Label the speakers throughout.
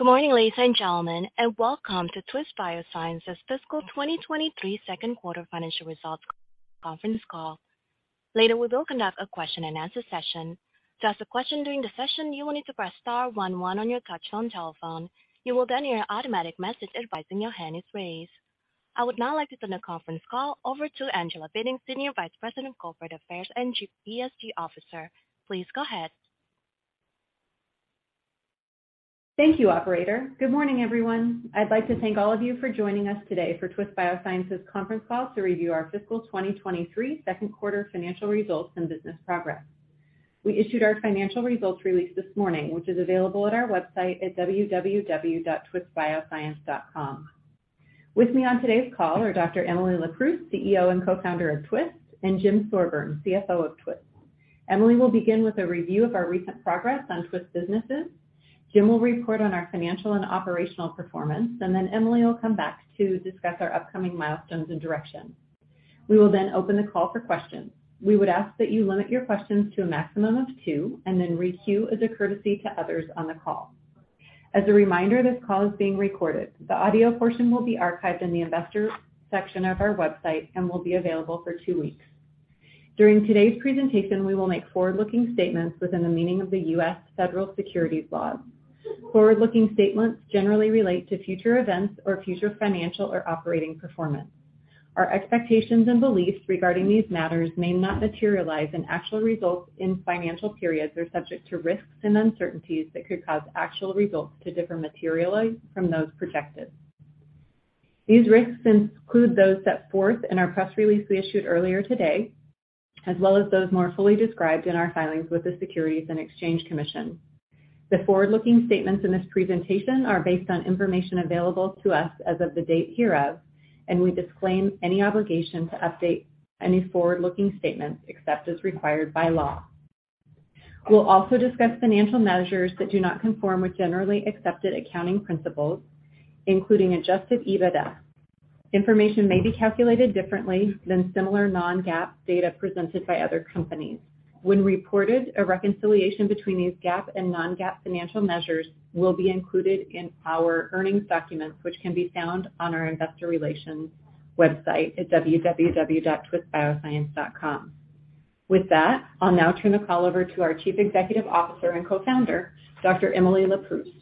Speaker 1: Good morning, ladies and gentlemen. Welcome to Twist Bioscience's fiscal 2023 second quarter financial results conference call. Later, we will conduct a question-and-answer session. To ask a question during the session, you will need to press star 11 on your touchtone telephone. You will then hear an automatic message advising your hand is raised. I would now like to turn the conference call over to Angela Bitting, Senior Vice President of Corporate Affairs and GPSG Officer. Please go ahead.
Speaker 2: Thank you, Operator. Good morning, everyone. I'd like to thank all of you for joining us today for Twist Bioscience's conference call to review our fiscal 2023 second quarter financial results and business progress. We issued our financial results release this morning, which is available at our website at www.twistbioscience.com. With me on today's call are Dr. Emily Leproust, CEO and Co-founder of Twist, and Jim Thorburn, CFO of Twist. Emily will begin with a review of our recent progress on Twist businesses. Jim will report on our financial and operational performance, and then Emily will come back to discuss our upcoming milestones and direction. We will open the call for questions. We would ask that you limit your questions to a maximum of 2 and then requeue as a courtesy to others on the call. As a reminder, this call is being recorded. The audio portion will be archived in the investor section of our website and will be available for two weeks. During today's presentation, we will make forward-looking statements within the meaning of the U.S. federal securities laws. Forward-looking statements generally relate to future events or future financial or operating performance. Our expectations and beliefs regarding these matters may not materialize, and actual results in financial periods are subject to risks and uncertainties that could cause actual results to differ materially from those projected. These risks include those set forth in our press release we issued earlier today, as well as those more fully described in our filings with the Securities and Exchange Commission. The forward-looking statements in this presentation are based on information available to us as of the date hereof, and we disclaim any obligation to update any forward-looking statements except as required by law. We'll also discuss financial measures that do not conform with generally accepted accounting principles, including adjusted EBITDA. Information may be calculated differently than similar non-GAAP data presented by other companies. When reported, a reconciliation between these GAAP and non-GAAP financial measures will be included in our earnings documents, which can be found on our investor relations website at www.twistbioscience.com. With that, I'll now turn the call over to our Chief Executive Officer and Co-founder, Dr. Emily Leproust.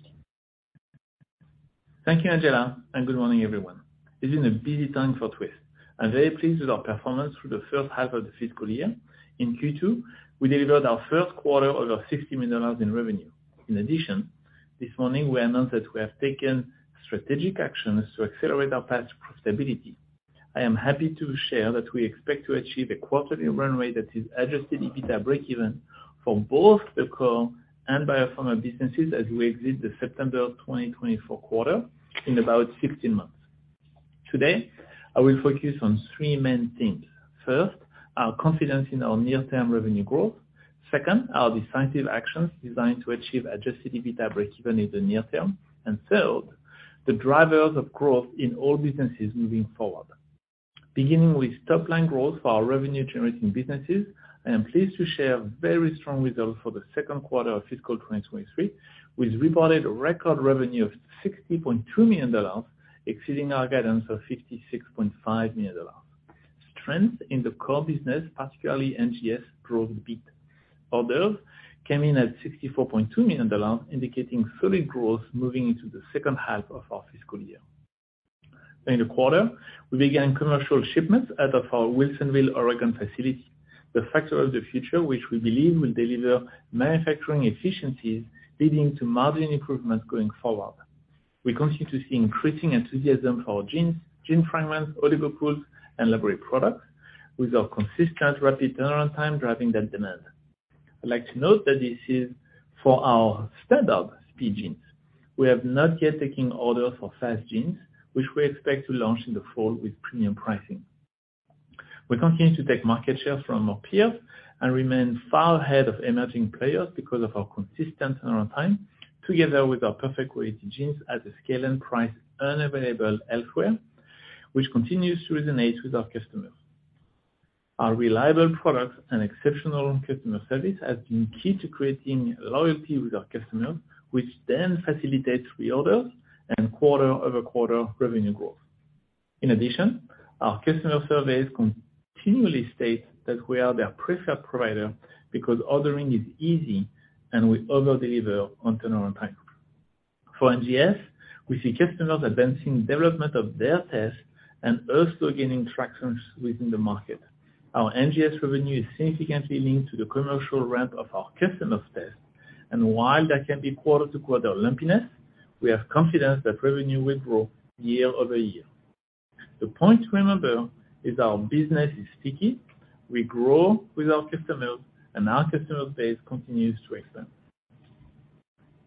Speaker 3: Thank you, Angela. Good morning, everyone. This is a busy time for Twist. I'm very pleased with our performance through the first half of the fiscal year. In Q2, we delivered our first quarter over $60 million in revenue. In addition, this morning we announced that we have taken strategic actions to accelerate our path to profitability. I am happy to share that we expect to achieve a quarterly run rate that is adjusted EBITDA breakeven for both the Core and Biopharma businesses as we exit the September 2024 quarter in about 15 months. Today, I will focus on three main things. First, our confidence in our near-term revenue growth. Second, our decisive actions designed to achieve adjusted EBITDA breakeven in the near term. Third, the drivers of growth in all businesses moving forward. Beginning with top-line growth for our revenue-generating businesses, I am pleased to share very strong results for the second quarter of fiscal 2023, with reported record revenue of $62 million, exceeding our guidance of $56.5 million. Strength in the Core business, particularly NGS, drove the beat. Orders came in at $64.2 million indicating solid growth moving into the second half of our fiscal year. In the quarter, we began commercial shipments out of our Wilsonville, Oregon facility, the Factory of the Future, which we believe will deliver manufacturing efficiencies leading to margin improvements going forward. We continue to see increasing enthusiasm for our genes, gene fragments, Oligo Pools, and library products with our consistent rapid turnaround time driving that demand. I'd like to note that this is for our standard Speed Genes. We have not yet taken orders for Fast Genes, which we expect to launch in the fall with premium pricing. We continue to take market share from our peers and remain far ahead of emerging players because of our consistent turnaround time together with our perfect quality genes at a scale and price unavailable elsewhere, which continues to resonate with our customers. Our reliable products and exceptional customer service has been key to creating loyalty with our customers, which then facilitates reorders and quarter-over-quarter revenue growth. In addition, our customer surveys continually state that we are their preferred provider because ordering is easy, and we over-deliver on turnaround time. For NGS, we see customers advancing development of their tests and also gaining traction within the market. Our NGS revenue is significantly linked to the commercial ramp of our customers' tests. While there can be quarter-to-quarter lumpiness, we have confidence that revenue will grow year-over-year. The point to remember is our business is sticky. We grow with our customers, and our customer base continues to expand.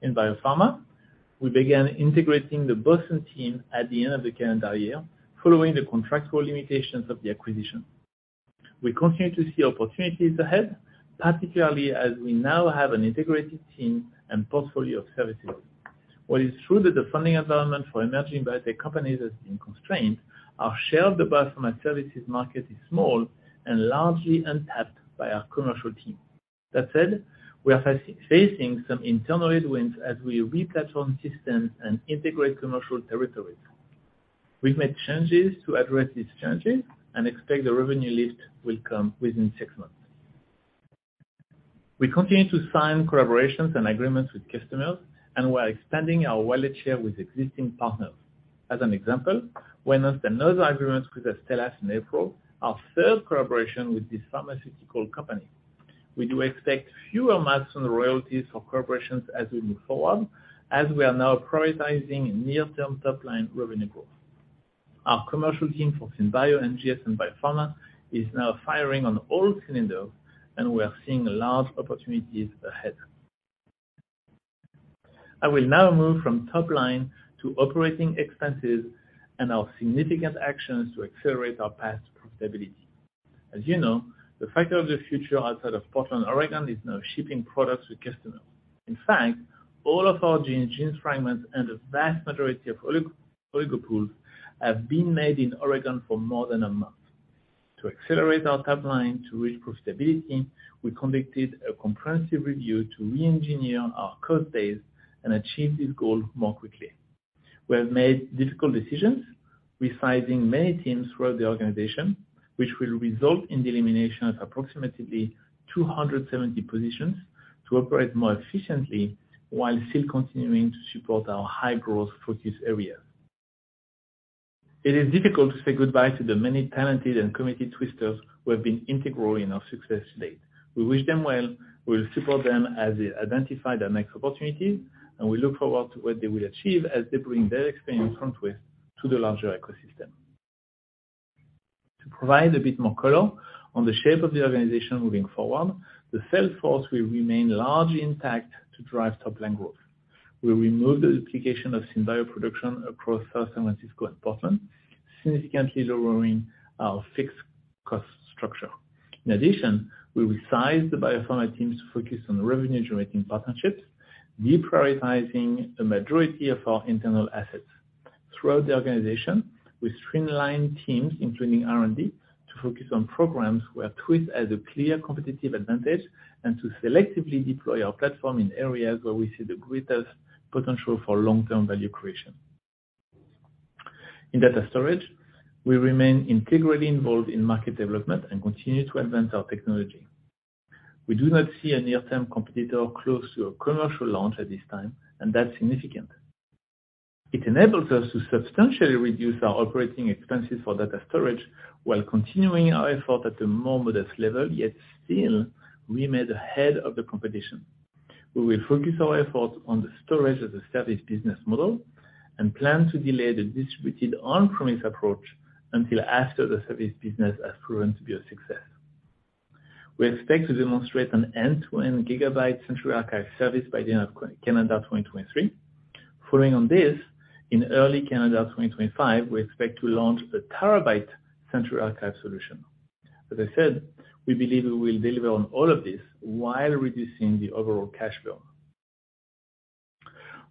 Speaker 3: In Biopharma, we began integrating the Boston team at the end of the calendar year, following the contractual limitations of the acquisition. We continue to see opportunities ahead, particularly as we now have an integrated team and portfolio of services. While it's true that the funding environment for emerging biotech companies has been constrained, our share of the Biopharma services market is small and largely untapped by our commercial team. That said, we are facing some internal headwinds as we replatform systems and integrate commercial territories. We've made changes to address these challenges and expect the revenue lift will come within 6 months. We continue to sign collaborations and agreements with customers, and we're expanding our wallet share with existing partners. As an example, we announced another agreement with Astellas in April, our third collaboration with this pharmaceutical company. We do expect fewer milestone royalties or collaborations as we move forward, as we are now prioritizing near-term top line revenue growth. Our commercial team for SynBio, NGS, and Biopharma is now firing on all cylinders, and we are seeing large opportunities ahead. I will now move from top line to operating expenses and our significant actions to accelerate our path to profitability. As you know, the Factory of the Future outside of Portland, Oregon, is now shipping products to customers. In fact, all of our genes fragments, and the vast majority of Oligo Pools have been made in Oregon for more than a month. To accelerate our top line to reach profitability, we conducted a comprehensive review to re-engineer our cost base and achieve this goal more quickly. We have made difficult decisions, resizing many teams throughout the organization, which will result in the elimination of approximately 270 positions to operate more efficiently while still continuing to support our high-growth focus areas. It is difficult to say goodbye to the many talented and committed Twisters who have been integral in our success to date. We wish them well. We will support them as they identify their next opportunities, and we look forward to what they will achieve as they bring their experience from Twist to the larger ecosystem. To provide a bit more color on the shape of the organization moving forward, the sales force will remain largely intact to drive top-line growth. We'll remove the duplication of SynBio production across San Francisco and Portland, significantly lowering our fixed cost structure. In addition, we will size the biopharma teams to focus on revenue-generating partnerships, deprioritizing the majority of our internal assets. Throughout the organization, we streamline teams, including R&D, to focus on programs where Twist has a clear competitive advantage and to selectively deploy our platform in areas where we see the greatest potential for long-term value creation. In data storage, we remain integrally involved in market development and continue to advance our technology. We do not see a near-term competitor close to a commercial launch at this time, and that's significant. It enables us to substantially reduce our operating expenses for data storage while continuing our effort at a more modest level, yet still remain ahead of the competition. We will focus our efforts on the storage-as-a-service business model and plan to delay the distributed on-premise approach until after the service business has proven to be a success. We expect to demonstrate an end-to-end gigabyte century archive service by the end of calendar 2023. Following on this, in early calendar 2025, we expect to launch a terabyte century archive solution. As I said, we believe we will deliver on all of this while reducing the overall cash burn.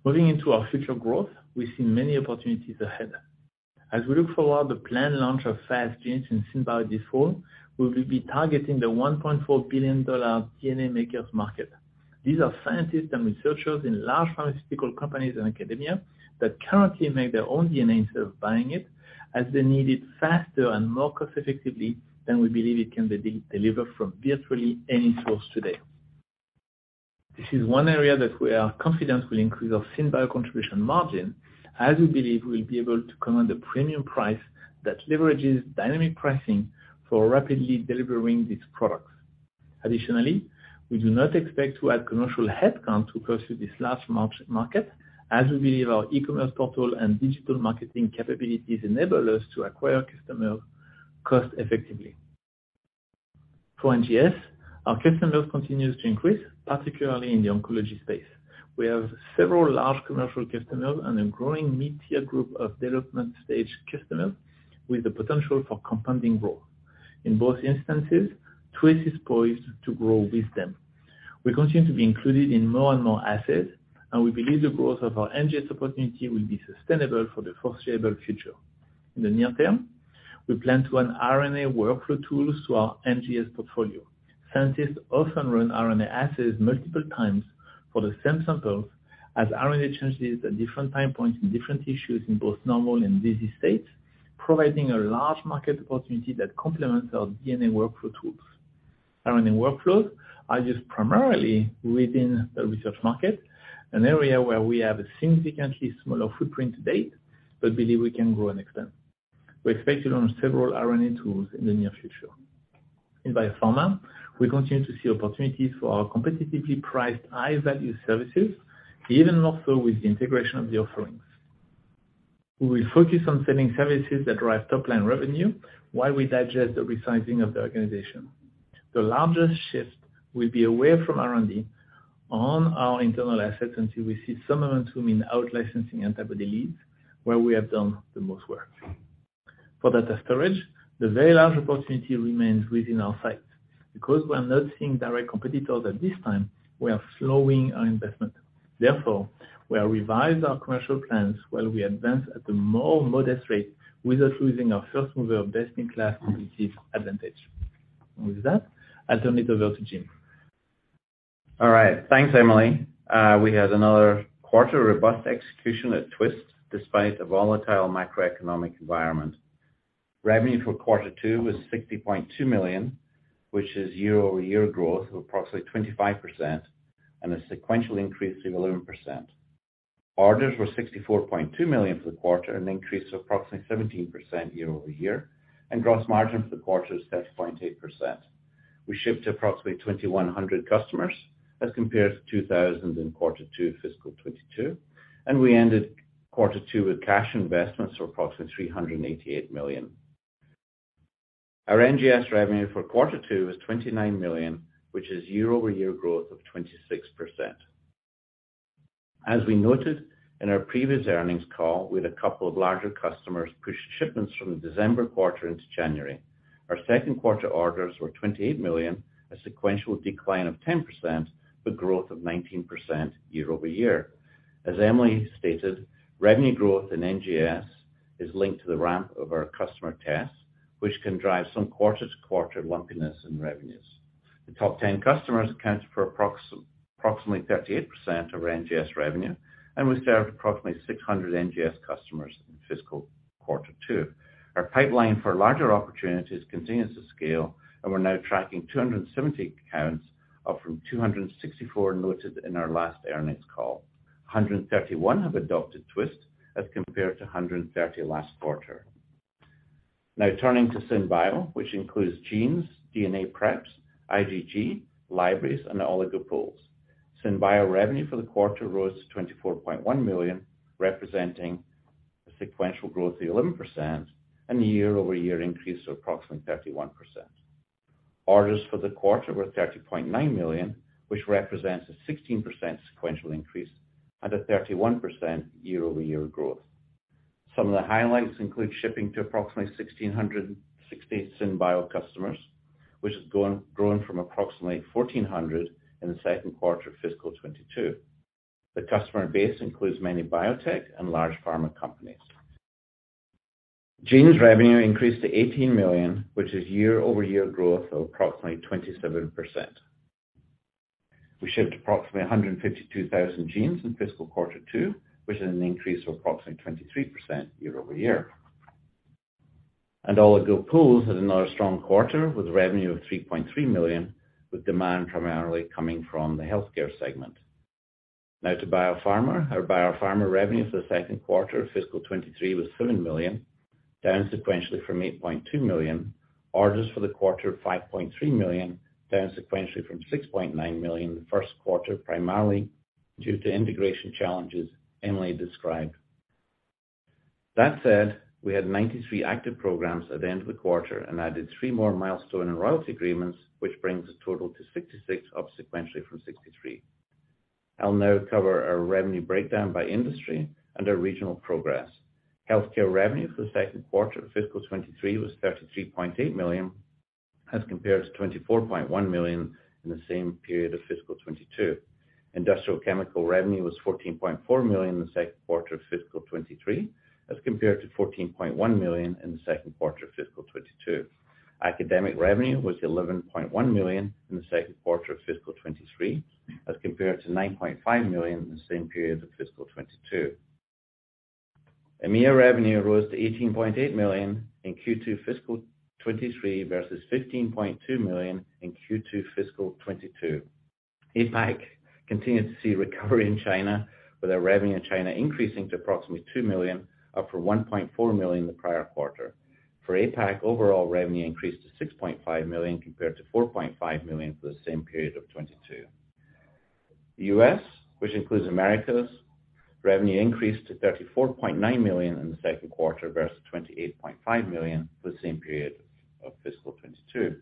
Speaker 3: Moving into our future growth, we see many opportunities ahead. As we look forward, the planned launch of Fast Genes in SynBio this fall, we will be targeting the $1.4 billion DNA makers market. These are scientists and researchers in large pharmaceutical companies and academia that currently make their own DNA instead of buying it, as they need it faster and more cost-effectively than we believe it can be delivered from virtually any source today. This is one area that we are confident will increase our SynBio contribution margin, as we believe we'll be able to command a premium price that leverages dynamic pricing for rapidly delivering these products. Additionally, we do not expect to add commercial headcount to pursue this large market, as we believe our e-commerce portal and digital marketing capabilities enable us to acquire customers cost-effectively. For NGS, our customers continues to increase, particularly in the oncology space. We have several large commercial customers and a growing mid-tier group of development stage customers with the potential for compounding growth. In both instances, Twist is poised to grow with them. We continue to be included in more and more assets, and we believe the growth of our NGS opportunity will be sustainable for the foreseeable future. In the near term, we plan to run RNA workflow tools through our NGS portfolio. Scientists often run RNA assays multiple times for the same samples, as RNA changes at different time points in different tissues in both normal and disease states, providing a large market opportunity that complements our DNA workflow tools. RNA workflows are used primarily within the research market, an area where we have a significantly smaller footprint to date, but believe we can grow and expand. We expect to launch several RNA tools in the near future. In biopharma, we continue to see opportunities for our competitively priced high-value services, even more so with the integration of the offerings. We will focus on selling services that drive top-line revenue while we digest the resizing of the organization. The largest shift will be away from R&D on our internal assets until we see some momentum in out licensing antibody leads where we have done the most work. For data storage, the very large opportunity remains within our sights. Because we are not seeing direct competitors at this time, we are slowing our investment. Therefore, we have revised our commercial plans while we advance at the more modest rate without losing our first mover best-in-class competitive advantage. With that, I'll turn it over to Jim.
Speaker 4: All right. Thanks, Emily. We had another quarter of robust execution at Twist despite the volatile macroeconomic environment. Revenue for quarter two was $60.2 million, which is year-over-year growth of approximately 25% and a sequential increase of 11%. Orders were $64.2 million for the quarter, an increase of approximately 17% year-over-year, and gross margin for the quarter is 30.8%. We shipped to approximately 2,100 customers as compared to 2,000 in quarter two fiscal 2022, and we ended quarter two with cash investments of approximately $388 million. Our NGS revenue for quarter two was $29 million, which is year-over-year growth of 26%. As we noted in our previous earnings call, we had a couple of larger customers push shipments from the December quarter into January. Our second quarter orders were $28 million, a sequential decline of 10%. Growth of 19% year-over-year. As Emily stated, revenue growth in NGS is linked to the ramp of our customer tests, which can drive some quarter-to-quarter lumpiness in revenues. The top 10 customers account for approximately 38% of our NGS revenue. We served approximately 600 NGS customers in fiscal quarter 2. Our pipeline for larger opportunities continues to scale. We're now tracking 270 accounts up from 264 noted in our last earnings call. 131 have adopted Twist as compared to 130 last quarter. Turning to SynBio, which includes genes, DNA preps, IgG, libraries, and Oligo Pools. SynBio revenue for the quarter rose to $24.1 million, representing a sequential growth of 11% and a year-over-year increase of approximately 31%. Orders for the quarter were $30.9 million, which represents a 16% sequential increase and a 31% year-over-year growth. Some of the highlights include shipping to approximately 1,660 SynBio customers, which has grown from approximately 1,400 in the second quarter of fiscal 2022. The customer base includes many biotech and large pharma companies. Gene's revenue increased to $18 million, which is year-over-year growth of approximately 27%. We shipped approximately 152,000 genes in fiscal quarter two, which is an increase of approximately 23% year-over-year. Oligo Pools had another strong quarter with revenue of $3.3 million, with demand primarily coming from the healthcare segment. Now to Biopharma. Our Biopharma revenue for the second quarter of fiscal 2023 was $7 million, down sequentially from $8.2 million. Orders for the quarter, $5.3 million, down sequentially from $6.9 million in the first quarter, primarily due to integration challenges Emily described. That said, we had 93 active programs at the end of the quarter and added 3 more milestone and royalty agreements, which brings the total to 66, up sequentially from 63. I'll now cover our revenue breakdown by industry and our regional progress. Healthcare revenue for the second quarter of fiscal 2023 was $33.8 million, as compared to $24.1 million in the same period of fiscal 2022. Industrial chemical revenue was $14.4 million in the second quarter of fiscal 2023, as compared to $14.1 million in the second quarter of fiscal 2022. Academic revenue was $11.1 million in the second quarter of fiscal 2023, as compared to $9.5 million in the same period of fiscal 2022. EMEA revenue rose to $18.8 million in Q2 fiscal 2023 versus $15.2 million in Q2 fiscal 2022. APAC continued to see recovery in China, with our revenue in China increasing to approximately $2 million, up from $1.4 million the prior quarter. For APAC, overall revenue increased to $6.5 million compared to $4.5 million for the same period of 2022. U.S., which includes Americas, revenue increased to $34.9 million in the second quarter versus $28.5 million for the same period of fiscal 2022.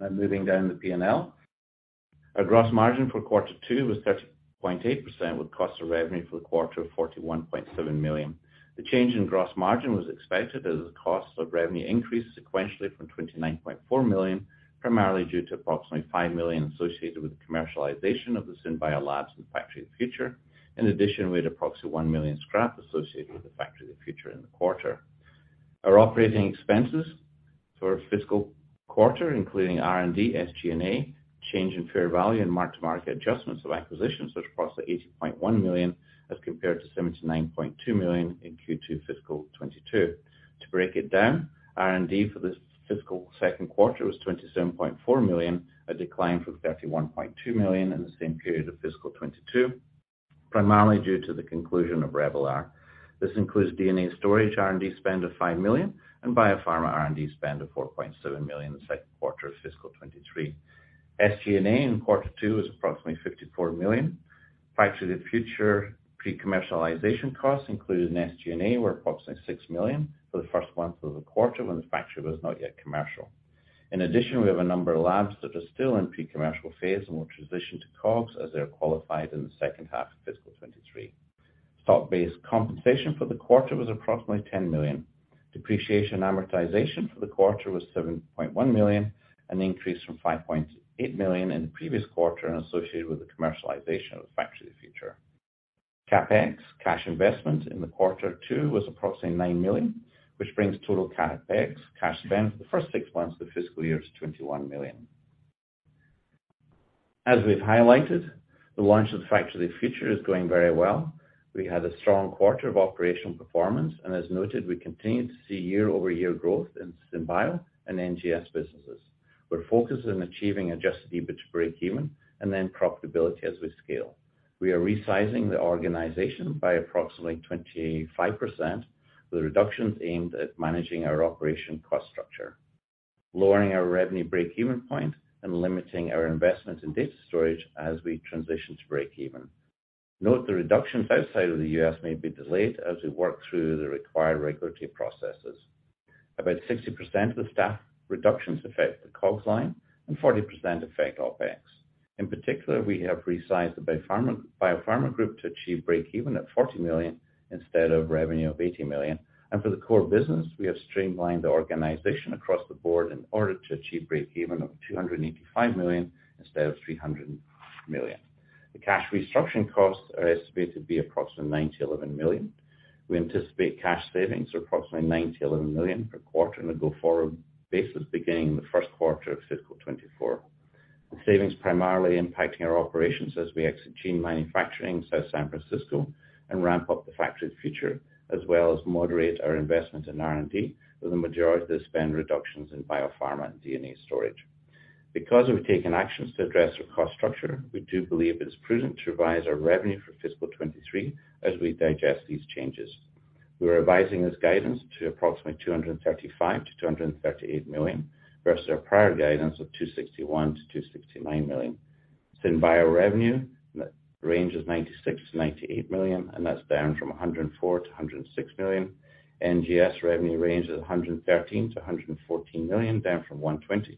Speaker 4: Now moving down the P&L. Our gross margin for quarter two was 30.8% with cost of revenue for the quarter of $41.7 million. The change in gross margin was expected as the cost of revenue increased sequentially from $29.4 million, primarily due to approximately $5 million associated with the commercialization of the SynBio labs in Factory of the Future. We had approximately $1 million scrap associated with the Factory of the Future in the quarter. Our operating expenses for fiscal quarter, including R&D, SG&A, change in fair value, and mark-to-market adjustments of acquisitions was approximately $80.1 million as compared to $79.2 million in Q2 fiscal 2022. To break it down, R&D for this fiscal second quarter was $27.4 million, a decline from $31.2 million in the same period of fiscal 2022, primarily due to the conclusion of Revelar. This includes DNA storage R&D spend of $5 million and Biopharma R&D spend of $4.7 million in the second quarter of fiscal 2023. SG&A in quarter two was approximately $54 million. Factory of the Future pre-commercialization costs included in SG&A were approximately $6 million for the first months of the quarter when the factory was not yet commercial. In addition, we have a number of labs that are still in pre-commercial phase and will transition to COGS as they are qualified in the second half of fiscal 2023. Stock-based compensation for the quarter was approximately $10 million. Depreciation and amortization for the quarter was $7.1 million, an increase from $5.8 million in the previous quarter and associated with the commercialization of the Factory of the Future. CapEx, cash investment in the quarter two was approximately $9 million, which brings total CapEx cash spend for the first six months of the fiscal year to $21 million. As we've highlighted, the launch of the Factory of the Future is going very well. We had a strong quarter of operational performance. As noted, we continue to see year-over-year growth in SynBio and NGS businesses. We're focused on achieving adjusted EBITDA break even and then profitability as we scale. We are resizing the organization by approximately 25%, with reductions aimed at managing our operation cost structure, lowering our revenue break-even point, and limiting our investment in data storage as we transition to break even. Note the reductions outside of the U.S. may be delayed as we work through the required regulatory processes. About 60% of the staff reductions affect the COGS line and 40% affect OpEx. In particular, we have resized the Biopharma group to achieve break even at $40 million instead of revenue of $80 million. For the core business, we have streamlined the organization across the board in order to achieve break even of $285 million instead of $300 million. The cash restructuring costs are estimated to be approximately $9 million-$11 million. We anticipate cash savings of approximately $9 million-$11 million per quarter on a go-forward basis beginning in the first quarter of fiscal 2024. The savings primarily impacting our operations as we exit gene manufacturing in South San Francisco and ramp up the Factory of the Future, as well as moderate our investment in R&D, with the majority of the spend reductions in Biopharma and DNA storage. We've taken actions to address our cost structure, we do believe it is prudent to revise our revenue for fiscal 2023 as we digest these changes. We are revising this guidance to approximately $235 million-$238 million versus our prior guidance of $261 million-$269 million. SynBio revenue range is $96 million-$98 million, and that's down from $104 million-$106 million. NGS revenue range is $113 million-$114 million, down from $120 million-$123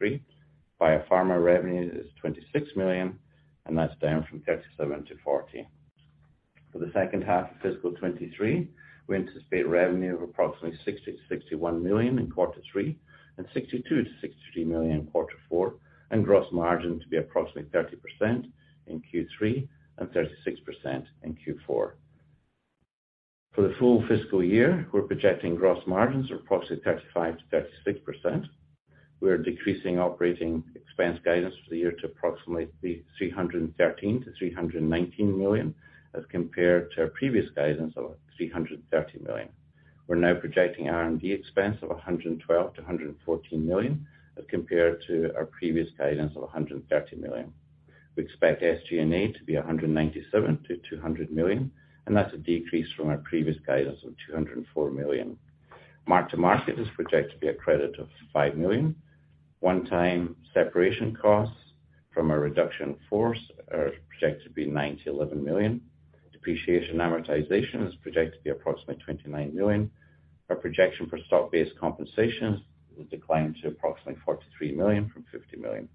Speaker 4: million. Biopharma revenue is $26 million, and that's down from $37 million-$40 million. For the second half of fiscal 2023, we anticipate revenue of approximately $60 million-$61 million in Q3 and $62 million-$63 million in Q4, and gross margin to be approximately 30% in Q3 and 36% in Q4. For the full fiscal year, we're projecting gross margins of approximately 35%-36%. We are decreasing OpEx guidance for the year to approximately $313 million-$319 million as compared to our previous guidance of $330 million. We're now projecting R&D expense of $112 million-$114 million as compared to our previous guidance of $130 million. We expect SG&A to be $197 million-$200 million, and that's a decrease from our previous guidance of $204 million. Mark to market is projected to be a credit of $5 million. One-time separation costs from a reduction in force are projected to be $9 million-$11 million. Depreciation and amortization is projected to be approximately $29 million. Our projection for stock-based compensation has declined to approximately $43 million from $50 million.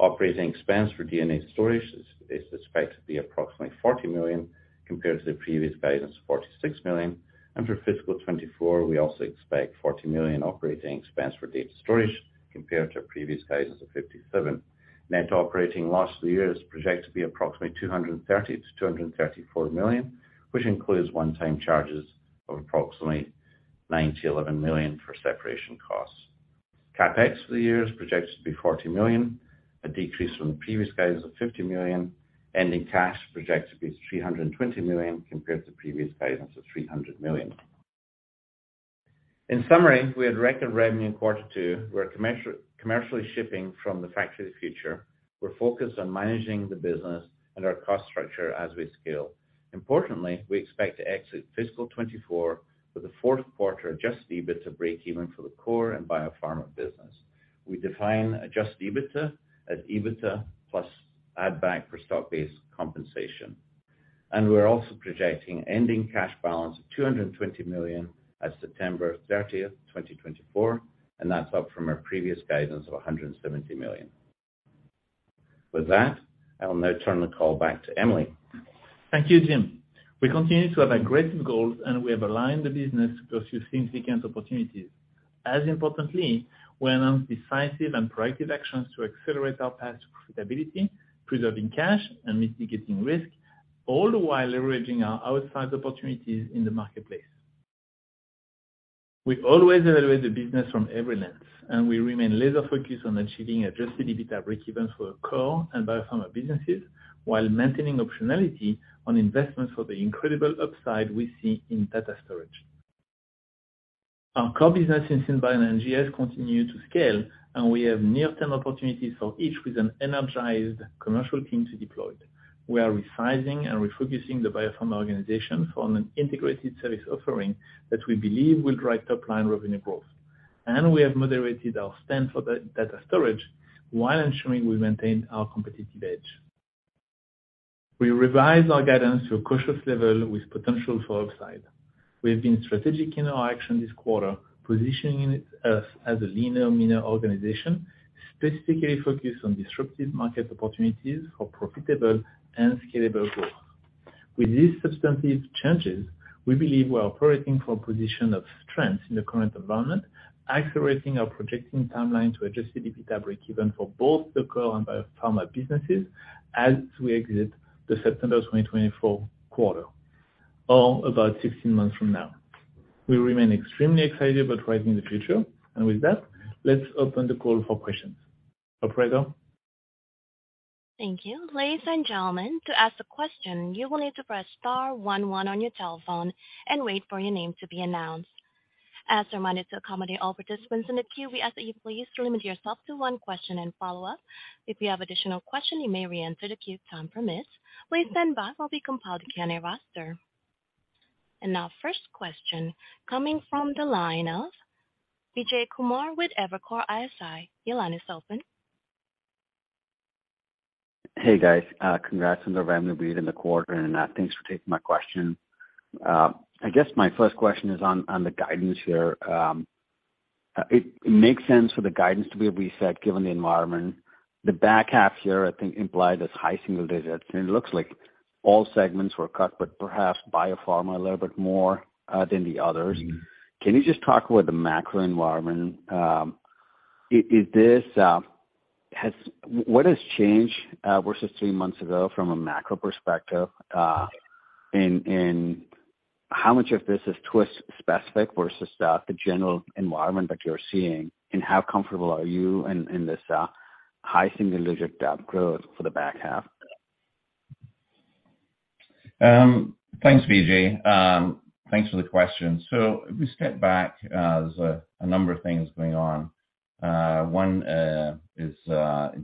Speaker 4: Operating expense for DNA storage is expected to be approximately $40 million compared to the previous guidance of $46 million. For fiscal 2024, we also expect $40 million operating expense for data storage compared to our previous guidance of $57 million. Net operating loss for the year is projected to be approximately $230 million-$234 million, which includes one-time charges of approximately $9 million-$11 million for separation costs. CapEx for the year is projected to be $40 million, a decrease from the previous guidance of $50 million. Ending cash is projected to be $320 million compared to previous guidance of $300 million. In summary, we had record revenue in quarter two. We're commercially shipping from the Factory of the Future. We're focused on managing the business and our cost structure as we scale. Importantly, we expect to exit fiscal 2024 with a fourth quarter adjusted EBITDA break even for the core and biopharma business. We define adjusted EBITDA as EBITDA plus add back for stock-based compensation. We're also projecting ending cash balance of $220 million as September 30, 2024, and that's up from our previous guidance of $170 million. With that, I will now turn the call back to Emily.
Speaker 3: Thank you, Jim. We continue to have aggressive goals. We have aligned the business to pursue significant opportunities. As importantly, we announced decisive and proactive actions to accelerate our path to profitability, preserving cash and mitigating risk, all while leveraging our outsized opportunities in the marketplace. We always evaluate the business from every lens. We remain laser-focused on achieving adjusted EBITDA break even for our core and biopharma businesses while maintaining optionality on investments for the incredible upside we see in data storage. Our core business in SynBio and NGS continue to scale. We have near-term opportunities for each with an energized commercial team to deploy. We are resizing and refocusing the biopharma organization from an integrated service offering that we believe will drive top line revenue growth. We have moderated our spend for data storage while ensuring we maintain our competitive edge. We revise our guidance to a cautious level with potential for upside.
Speaker 4: We've been strategic in our action this quarter, positioning us as a leaner, meaner organization specifically focused on disruptive market opportunities for profitable and scalable growth. With these substantive changes, we believe we are operating from a position of strength in the current environment, accelerating our projecting timeline to adjusted EBITDA breakeven for both the core and biopharma businesses as we exit the September 2024 quarter, or about 16 months from now. We remain extremely excited about driving the future. With that, let's open the call for questions. Operator?
Speaker 1: Thank you. Ladies and gentlemen, to ask a question, you will need to press star 11 on your telephone and wait for your name to be announced. As a reminder, to accommodate all participants in the queue, we ask that you please limit yourself to one question and follow-up. If you have additional question, you may reenter the queue if time permits. Please stand by while we compile the Q&A roster. Our first question coming from the line of Vijay Kumar with Evercore ISI. Your line is open.
Speaker 5: Hey, guys, congrats on the revenue beat in the quarter. Thanks for taking my question. I guess my first question is on the guidance here. It makes sense for the guidance to be a reset given the environment. The back half year, I think, implied as high single digits. It looks like all segments were cut, but perhaps biopharma a little bit more than the others.
Speaker 4: Mm-hmm.
Speaker 5: Can you just talk about the macro environment? What has changed versus 3 months ago from a macro perspective? How much of this is Twist specific versus the general environment that you're seeing? How comfortable are you in this high single-digit dab growth for the back half?
Speaker 4: Thanks, Vijay. Thanks for the question. If we step back, there's a number of things going on. In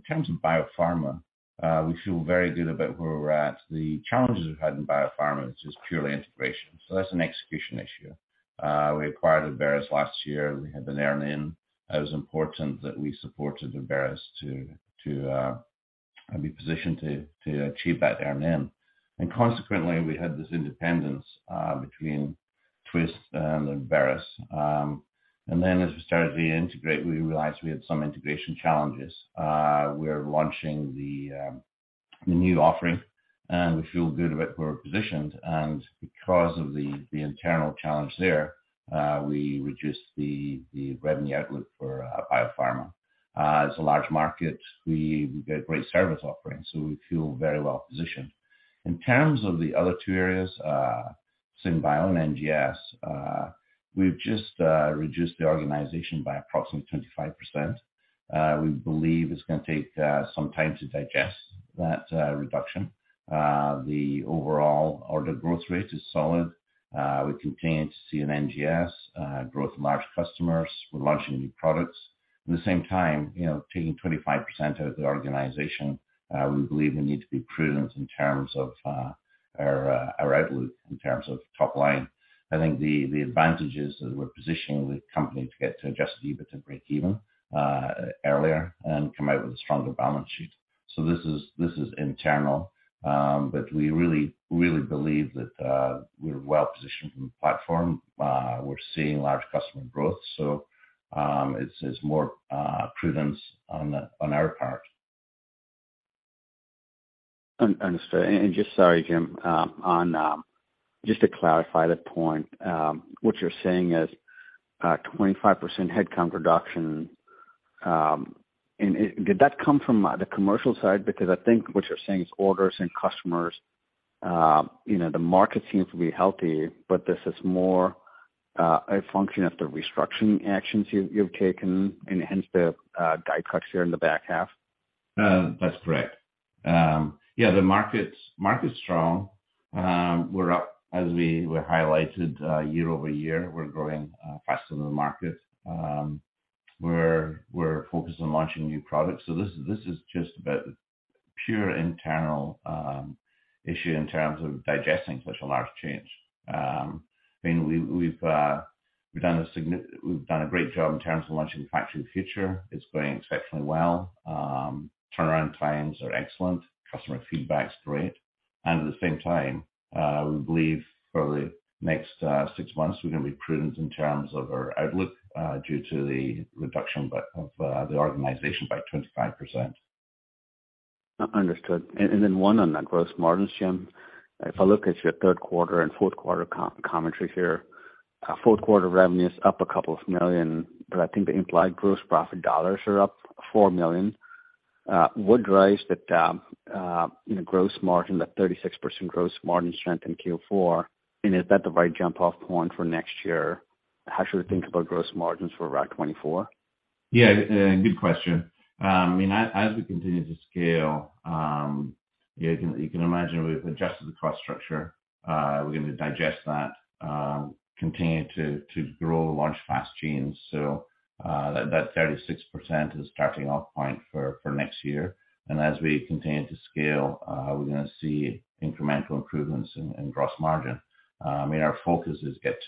Speaker 4: terms of biopharma, we feel very good about where we're at. The challenges we've had in biopharma is just purely integration, so that's an execution issue. We acquired Abveris last year. We had an earn in. It was important that we supported Abveris to be positioned to achieve that earn in. Consequently, we had this independence between Twist and Abveris. As we started to integrate, we realized we had some integration challenges. We're launching the new offering, we feel good about where we're positioned. Because of the internal challenge there, we reduced the revenue outlook for biopharma. It's a large market. We've got a great service offering. We feel very well positioned. In terms of the other two areas, SynBio and NGS, we've just reduced the organization by approximately 25%. We believe it's going to take some time to digest that reduction. The overall order growth rate is solid. We continue to see an NGS growth in large customers. We're launching new products. At the same time, you know, taking 25% out of the organization, we believe we need to be prudent in terms of our outlook in terms of top line. I think the advantage is that we're positioning the company to get to adjusted EBITDA break even earlier and come out with a stronger balance sheet. This is internal, but we really believe that we're well positioned from the platform. We're seeing large customer growth, so it's more prudence on our part.
Speaker 5: Understood. Sorry, Jim, on just to clarify that point, what you're saying is, 25% headcount reduction, and did that come from the commercial side? I think what you're saying is orders and customers, you know, the market seems to be healthy, but this is more a function of the restructuring actions you've taken and hence the guide cuts here in the back half.
Speaker 4: That's correct. Yeah, the market's strong. We're up as we highlighted year-over-year. We're growing faster than the market. We're focused on launching new products. This is just about pure internal issue in terms of digesting such a large change. I mean, we've done a great job in terms of launching Factory of the Future. It's going exceptionally well. Turnaround times are excellent. Customer feedback's great. At the same time, we believe for the next six months, we're going to be prudent in terms of our outlook due to the reduction by of the organization by 25%.
Speaker 5: Understood. Then one on the gross margins, Jim. If I look at your 3rd quarter and 4th quarter commentary here, 4th quarter revenue is up $2 million, but I think the implied gross profit dollars are up $4 million. Would rise that, you know, gross margin, that 36% gross margin strength in Q4, and is that the right jump-off point for next year? How should we think about gross margins for RAD 2024?
Speaker 4: Yeah, good question. I mean, as we continue to scale, you can imagine we've adjusted the cost structure. We're going to digest that, continue to grow and launch Fast Genes. That 36% is a starting off point for next year. As we continue to scale, we're going to see incremental improvements in gross margin. I mean, our focus is get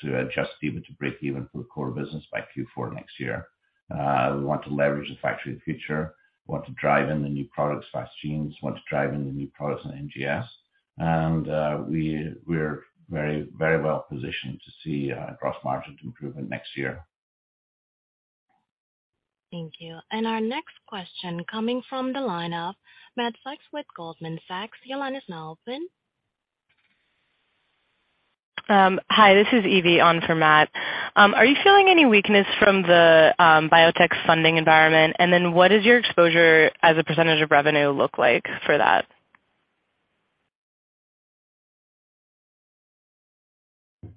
Speaker 4: to adjusted EBITDA to break even for the core business by Q4 next year. We want to leverage the Factory of the Future. We want to drive in the new products, Fast Genes. Want to drive in the new products in NGS. We're very well positioned to see gross margins improvement next year.
Speaker 1: Thank you. Our next question coming from the line of Matt Sykes with Goldman Sachs. Your line is now open.
Speaker 6: Hi, this is Evie on for Matt. Are you feeling any weakness from the biotech funding environment? What does your exposure as a percentage of revenue look like for that?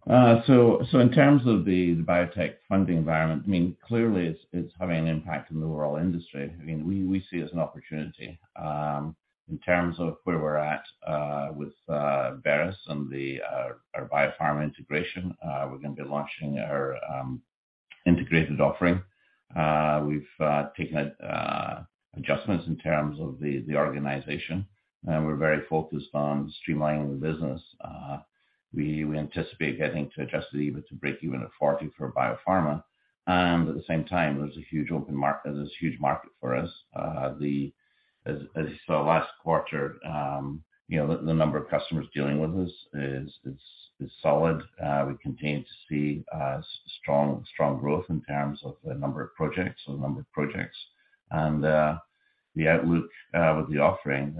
Speaker 4: In terms of the biotech funding environment, I mean, clearly it's having an impact on the overall industry. I mean, we see it as an opportunity. In terms of where we're at with Abveris and our Biopharma integration, we're going to be launching our integrated offering. We've taken adjustments in terms of the organization. We're very focused on streamlining the business. We anticipate getting to adjusted EBITDA break even at 40 for Biopharma. At the same time, there's this huge market for us. As you saw last quarter, you know, the number of customers dealing with us is solid. strong growth in terms of the number of projects or the number of projects. The outlook with the offering,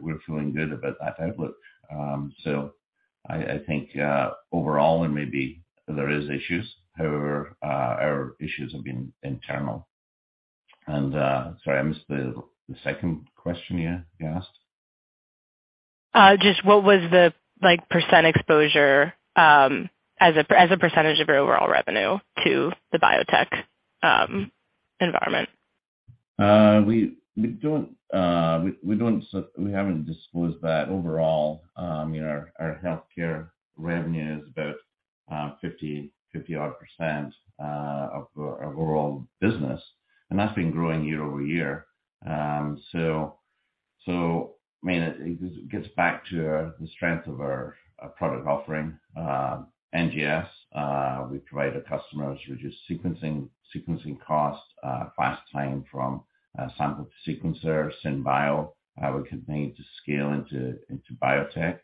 Speaker 4: we're feeling good about that outlook. So I think overall and maybe there is issues, however, our issues have been internal. Sorry, I missed the second question you asked
Speaker 6: just what was the % exposure, as a percentage of your overall revenue to the biotech environment?
Speaker 4: We haven't disclosed that overall. You know, our healthcare revenue is about 50 odd % of our overall business. That's been growing year-over-year. I mean, it gets back to the strength of our product offering. NGS, we provide our customers reduced sequencing costs, fast time from sample to sequencer. SynBio, we continue to scale into biotech.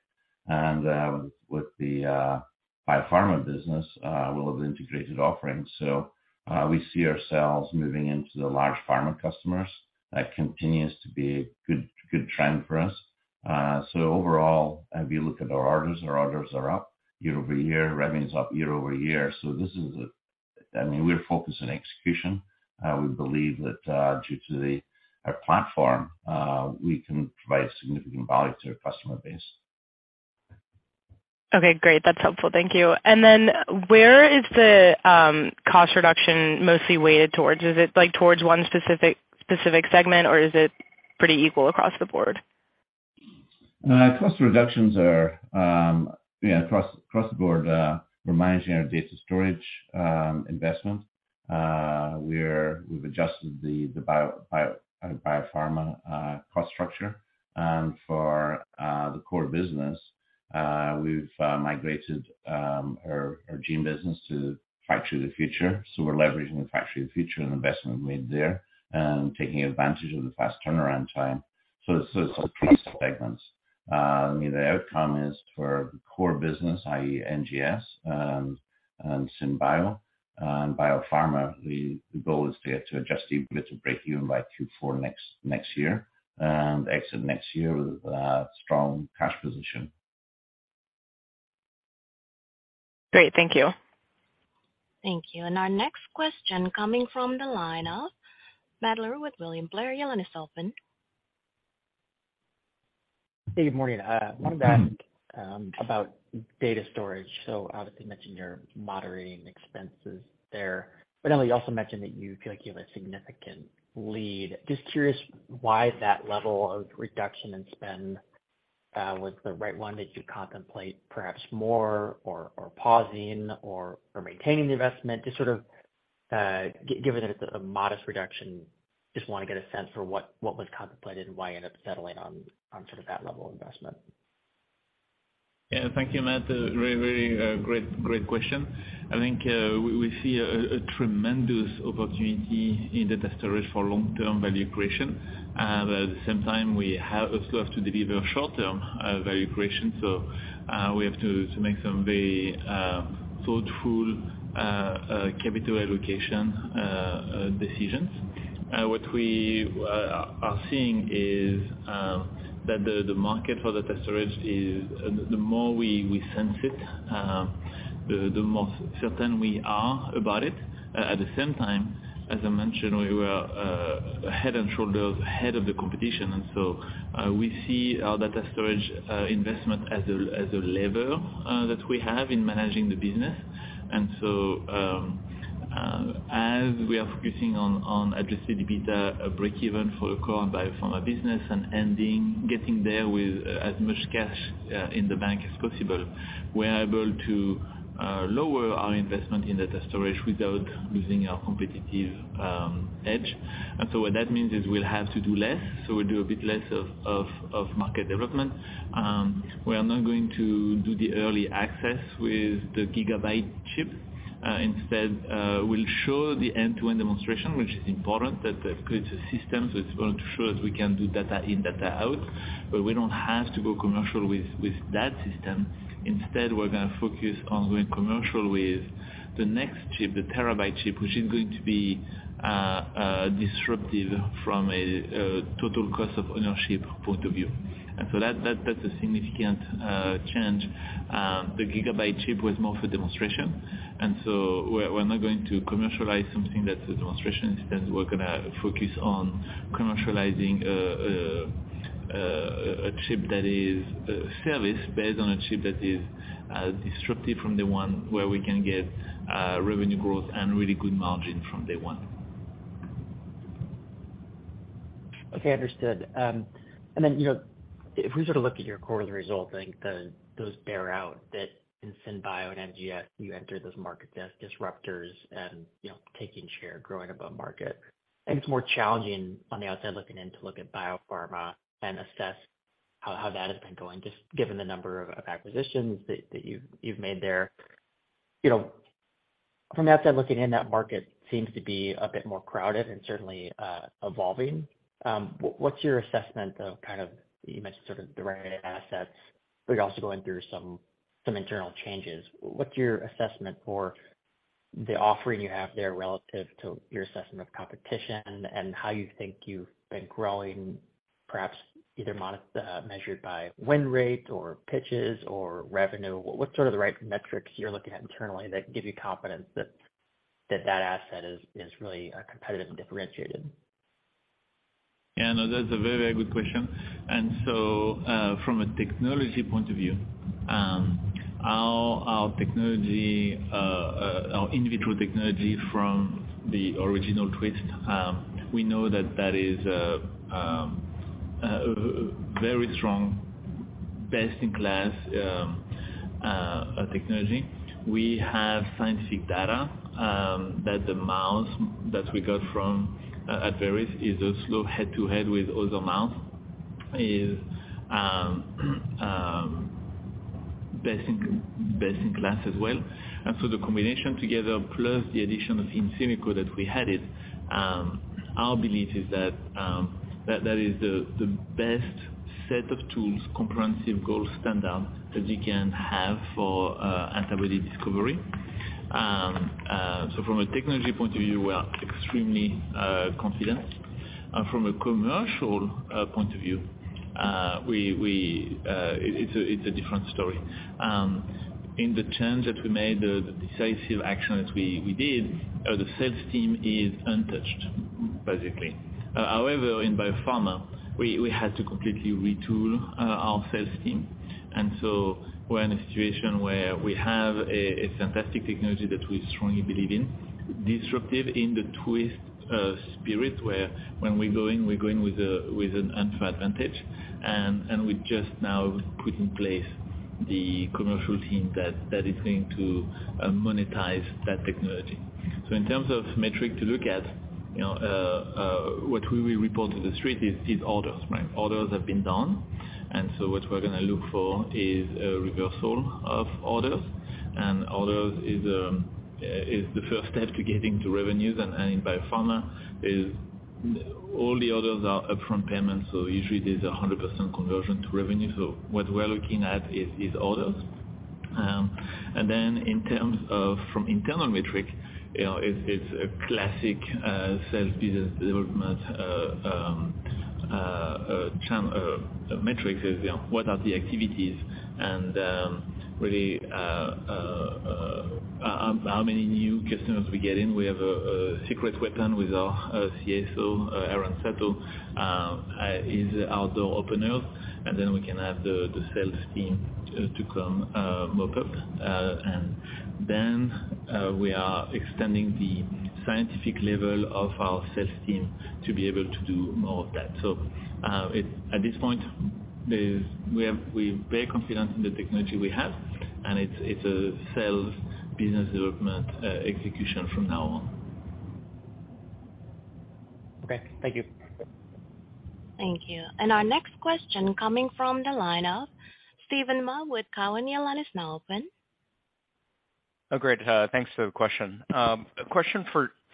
Speaker 4: With the biopharma business, we'll have integrated offerings. We see ourselves moving into the large pharma customers. That continues to be a good trend for us. Overall, if you look at our orders, our orders are up year-over-year. Revenue's up year-over-year. This is I mean, we're focused on execution. We believe that, due to our platform, we can provide significant value to our customer base.
Speaker 6: Okay, great. That's helpful. Thank you. Then where is the cost reduction mostly weighted towards? Is it, like, towards one specific segment, or is it pretty equal across the board?
Speaker 4: Cost reductions are, yeah, across the board. We're managing our data storage investment. We've adjusted the biopharma cost structure. For the core business, we've migrated our gene business to Factory of the Future. We're leveraging the Factory of the Future and investment made there and taking advantage of the fast turnaround time. It's across segments. I mean, the outcome is for the core business, i.e. NGS and SynBio and biopharma, the goal is to get to adjusted EBITDA break even by Q4 next year. Exit next year with a strong cash position.
Speaker 6: Great. Thank you.
Speaker 1: Thank you. Our next question coming from the line of Matthew Lare with William Blair. Your line is open.
Speaker 7: Hey, good morning. one about data storage. You mentioned you're moderating expenses there, but then you also mentioned that you feel like you have a significant lead. Just curious why that level of reduction in spend was the right one. Did you contemplate perhaps more or pausing or maintaining the investment? Just sort of given that it's a modest reduction, just want to get a sense for what was contemplated and why you end up settling on sort of that level of investment.
Speaker 4: Yeah. Thank you, Matt. A very, very great question. I think, we see a tremendous opportunity in data storage for long-term value creation. At the same time, we have also have to deliver short-term value creation. We have to make some very thoughtful capital allocation decisions. What we are seeing is that the market for data storage is, the more we sense it, the more certain we are about it. At the same time, as I mentioned, we were a head and shoulders ahead of the competition. We see our data storage investment as a lever that we have in managing the business. As we are focusing on adjusted EBITDA break even for the core and biopharma business and ending, getting there with as much cash in the bank as possible, we're able to lower our investment in data storage without losing our competitive edge. What that means is we'll have to do less. We'll do a bit less of market development. We are not going to do the early access with the gigabyte chip.
Speaker 3: Instead, we'll show the end-to-end demonstration, which is important that it's a system, so it's going to show us we can do data in, data out, but we don't have to go commercial with that system. Instead, we're going to focus on going commercial with the next chip, the terabyte chip, which is going to be disruptive from a total cost of ownership point of view. That, that's a significant change. The gigabyte chip was more for demonstration. We're not going to commercialize something that's a demonstration. Instead, we're going to focus on commercializing a chip that is a service based on a chip that is disruptive from the one where we can get revenue growth and really good margin from day one.
Speaker 4: Okay, understood. You know, if we sort of look at your quarterly result, I think those bear out that in SynBio and NGS, you enter those market disruptors and, you know, taking share, growing above market. I think it's more challenging on the outside looking in to look at biopharma and assess how that has been going, just given the number of acquisitions that you've made there. You know, from the outside looking in, that market seems to be a bit more crowded and certainly evolving. What's your assessment of kind of, you mentioned sort of the right assets, but you're also going through some internal changes? What's your assessment for the offering you have there relative to your assessment of competition and how you think you've been growing, perhaps either measured by win rate or pitches or revenue? What's sort of the right metrics you're looking at internally that give you confidence that that asset is really competitive and differentiated?
Speaker 3: Yeah, no, that's a very good question. From a technology point of view, our technology, our in vitro technology from the original Twist, we know that that is very strong, best in class, technology. We have scientific data that the mouse that we got from Abveris is a slope head-to-head with other mouse is best in class as well. The combination together plus the addition of Infinico that we added, our belief is that that is the best set of tools, comprehensive gold standard that you can have for antibody discovery. From a technology point of view, we are extremely confident. From a commercial point of view, we, it's a different story. In the change that we made, the decisive action that we did, the sales team is untouched, basically. However, in Biopharma, we had to completely retool our sales team. We're in a situation where we have a fantastic technology that we strongly believe in, disruptive in the Twist spirit, where when we go in, we go in with an unfair advantage. We just now put in place the commercial team that is going to monetize that technology. In terms of metric to look at, you know, what we will report to the Street is orders, right? Orders have been down. What we're going to look for is a reversal of orders. Orders is the first step to getting to revenues. And in biopharma is all the orders are upfront payments, usually there's a 100% conversion to revenue. What we're looking at is orders. And then in terms of from internal metric, you know, it's a classic sales business development metrics is, you know, what are the activities and really how many new customers we get in. We have a secret weapon with our CSO, Aaron Sato, he's our door opener, and then we can have the sales team to come mop up. And then we are extending the scientific level of our sales team to be able to do more of that. At this point, we're very confident in the technology we have, and it's a sales business development, execution from now on.
Speaker 4: Okay. Thank you.
Speaker 1: Thank you. Our next question coming from the line of Steven Mah with Cowen. Your line is now open.
Speaker 8: Great. Thanks for the question. A question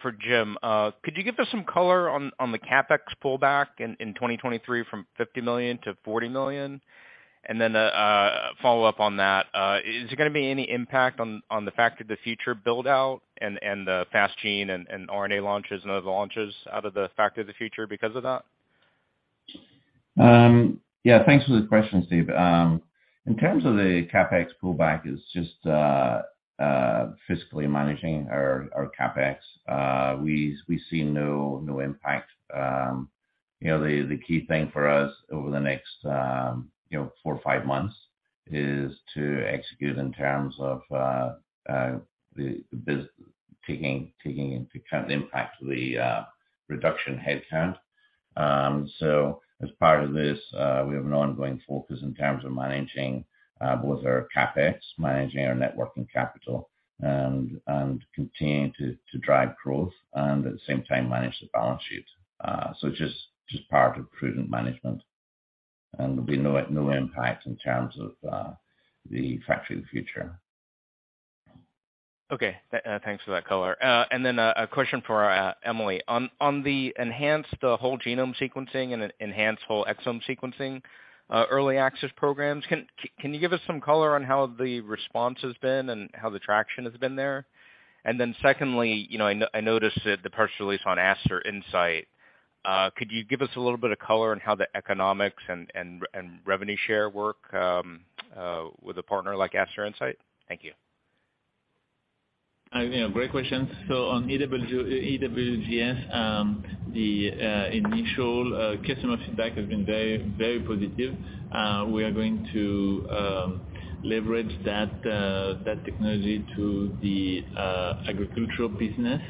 Speaker 8: for Jim. Could you give us some color on the CapEx pullback in 2023 from $50 million-$40 million? A follow-up on that, is there going to be any impact on the Factory of the Future build-out and the Fast Gene and RNA launches and other launches out of the Factory of the Future because of that?
Speaker 4: Yeah, thanks for the question, Steve. In terms of the CapEx pullback, it's just fiscally managing our CapEx. We see no impact. You know, the key thing for us over the next, you know, four or five months is to execute in terms of taking into account the impact of the reduction in headcount. As part of this, we have an ongoing focus in terms of managing both our CapEx, managing our net working capital and continuing to drive growth and at the same time manage the balance sheet. Just part of prudent management. There'll be no impact in terms of the Factory of the Future.
Speaker 8: Okay. Thanks for that color. And then a question for Emily. On the enhanced, the whole genome sequencing and e-enhanced whole exome sequencing, early access programs, can you give us some color on how the response has been and how the traction has been there? Secondly, you know, I noticed that the press release on Aster Insight, could you give us a little bit of color on how the economics and revenue share work with a partner like Aster Insight? Thank you.
Speaker 3: You know, great questions. On EW-EWGS, the initial customer feedback has been very, very positive. We are going to leverage that technology to the agricultural business,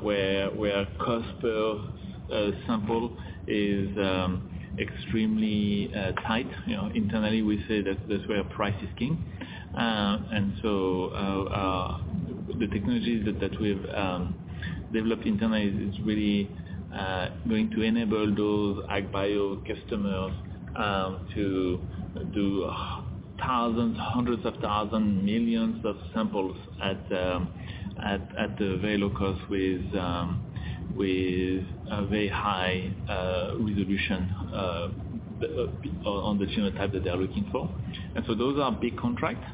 Speaker 3: where cost per sample is extremely tight. You know, internally, we say that that's where price is king. The technologies that we've developed internally is really going to enable those ag bio customers to do thousands, hundreds of thousands, millions of samples at a very low cost with a very high resolution on the genotype that they are looking for. Those are big contracts.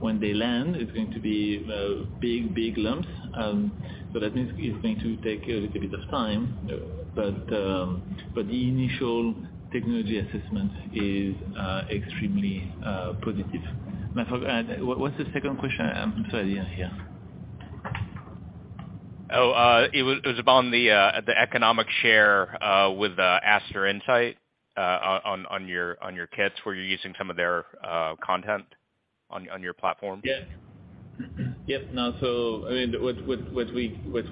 Speaker 3: When they land, it's going to be big lumps. That means it's going to take a little bit of time. The initial technology assessment is extremely positive. What's the second question? I'm sorry. Yeah.
Speaker 8: It was about the economic share with Astellas Pharma Inc. on your kits, where you're using some of their content on your platform.
Speaker 3: Yeah. Yep. No. I mean, what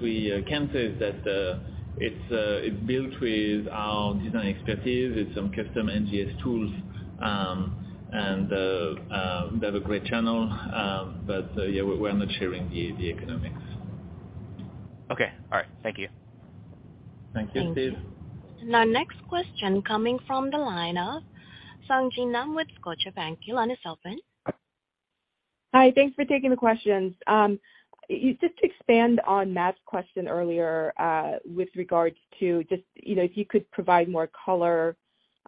Speaker 3: we can say is that it's built with our design expertise with some custom NGS tools. And they have a great channel. But yeah, we're not sharing the economics.
Speaker 8: Okay. All right. Thank you.
Speaker 3: Thank you, Steve.
Speaker 4: Thank you.
Speaker 1: Our next question coming from the line of Sung Ji Nam with Scotiabank. Your line is open.
Speaker 9: Hi. Thanks for taking the questions. Just to expand on Matt's question earlier, with regards to just, you know, if you could provide more color,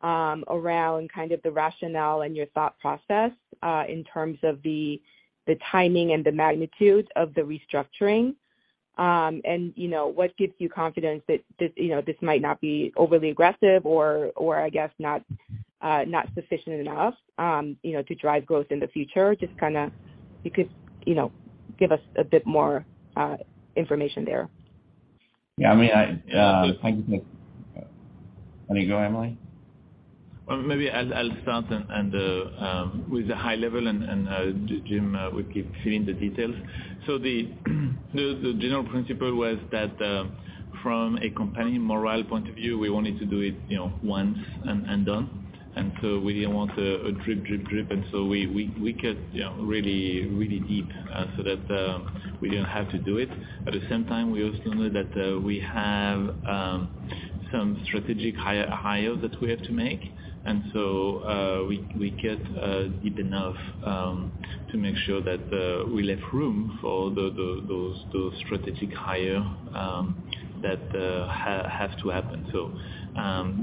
Speaker 9: around kind of the rationale and your thought process, in terms of the timing and the magnitude of the restructuring. What gives you confidence that this, you know, this might not be overly aggressive or I guess not sufficient enough, you know, to drive growth in the future? Just kind of if you could, you know, give us a bit more information there.
Speaker 4: I mean, Why don't you go, Emily?
Speaker 3: Well, maybe I'll start and with the high level and Jim will keep filling the details. The general principle was that from a company morale point of view, we wanted to do it, you know, once and done. We didn't want a drip, drip, we cut, you know, really deep so that we didn't have to do it. At the same time, we also know that we have some strategic hires that we have to make. We cut deep enough to make sure that we left room for the those strategic hire that have to happen.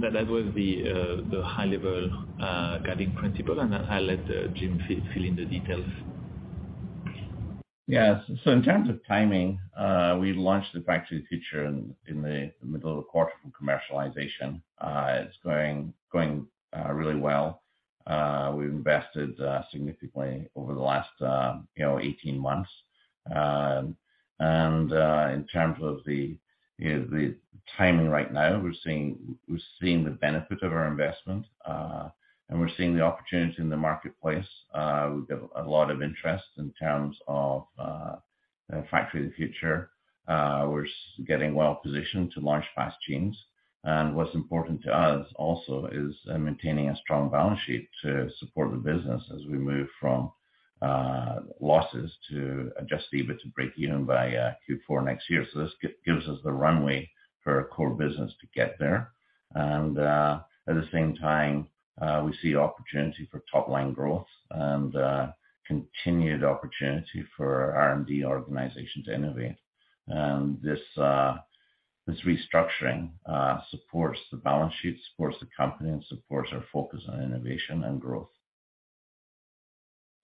Speaker 3: That was the high level guiding principle, and I'll let Jim fill in the details.
Speaker 4: In terms of timing, we launched the Factory of the Future in the middle of the quarter from commercialization. It's going really well. We've invested significantly over the last, you know, 18 months. And in terms of the, you know, the timing right now, we're seeing the benefit of our investment, and we're seeing the opportunity in the marketplace. We've got a lot of interest in terms of Factory of the Future. We're getting well positioned to launch Fast Genes. What's important to us also is maintaining a strong balance sheet to support the business as we move from losses to adjusted EBIT to break even by Q4 next year. This gives us the runway for our core business to get there. At the same time, we see opportunity for top line growth and continued opportunity for our R&D organization to innovate. This restructuring supports the balance sheet, supports the company, and supports our focus on innovation and growth.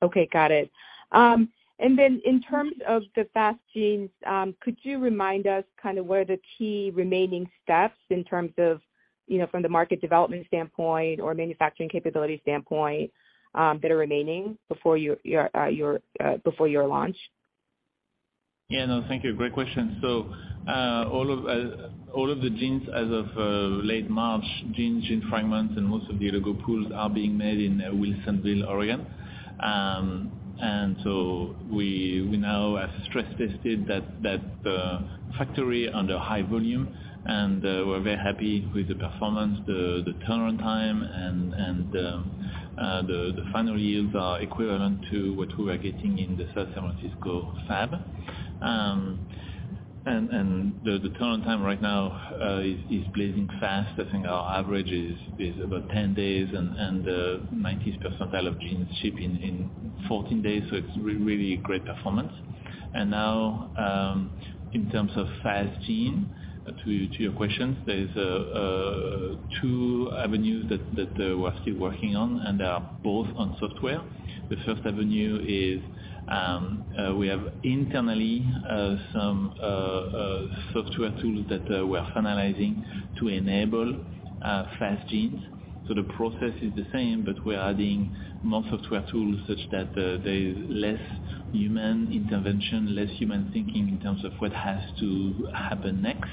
Speaker 9: Okay. Got it. In terms of the Fast Genes, could you remind us kind of where the key remaining steps in terms of, you know, from the market development standpoint or manufacturing capability standpoint, that are remaining before your launch?
Speaker 3: Yeah. No, thank you. Great question. All of the genes as of late March, genes, gene fragments, and most of the Oligo Pools are being made in Wilsonville, Oregon. We now have stress tested that factory under high volume, and we're very happy with the performance. The turnaround time and the final yields are equivalent to what we were getting in the San Francisco fab. The current time right now, is blazing fast. I think our average is about 10 days and 90th percentile of genes shipping in 14 days. It's really great performance. Now, in terms of Fast Genes, to your questions, there's two avenues that we're still working on, and they are both on software. The first avenue is, we have internally some software tools that we are finalizing to enable Fast Genes. The process is the same, but we're adding more software tools such that there's less human intervention, less human thinking in terms of what has to happen next.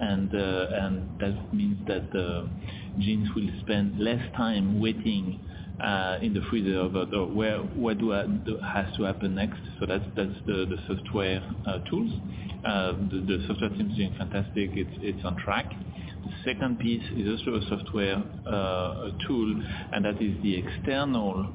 Speaker 3: That means that genes will spend less time waiting in the freezer about where, what do I-- has to happen next. That's, that's the software tools. The software team's doing fantastic. It's, it's on track. The second piece is also a software tool. That is the external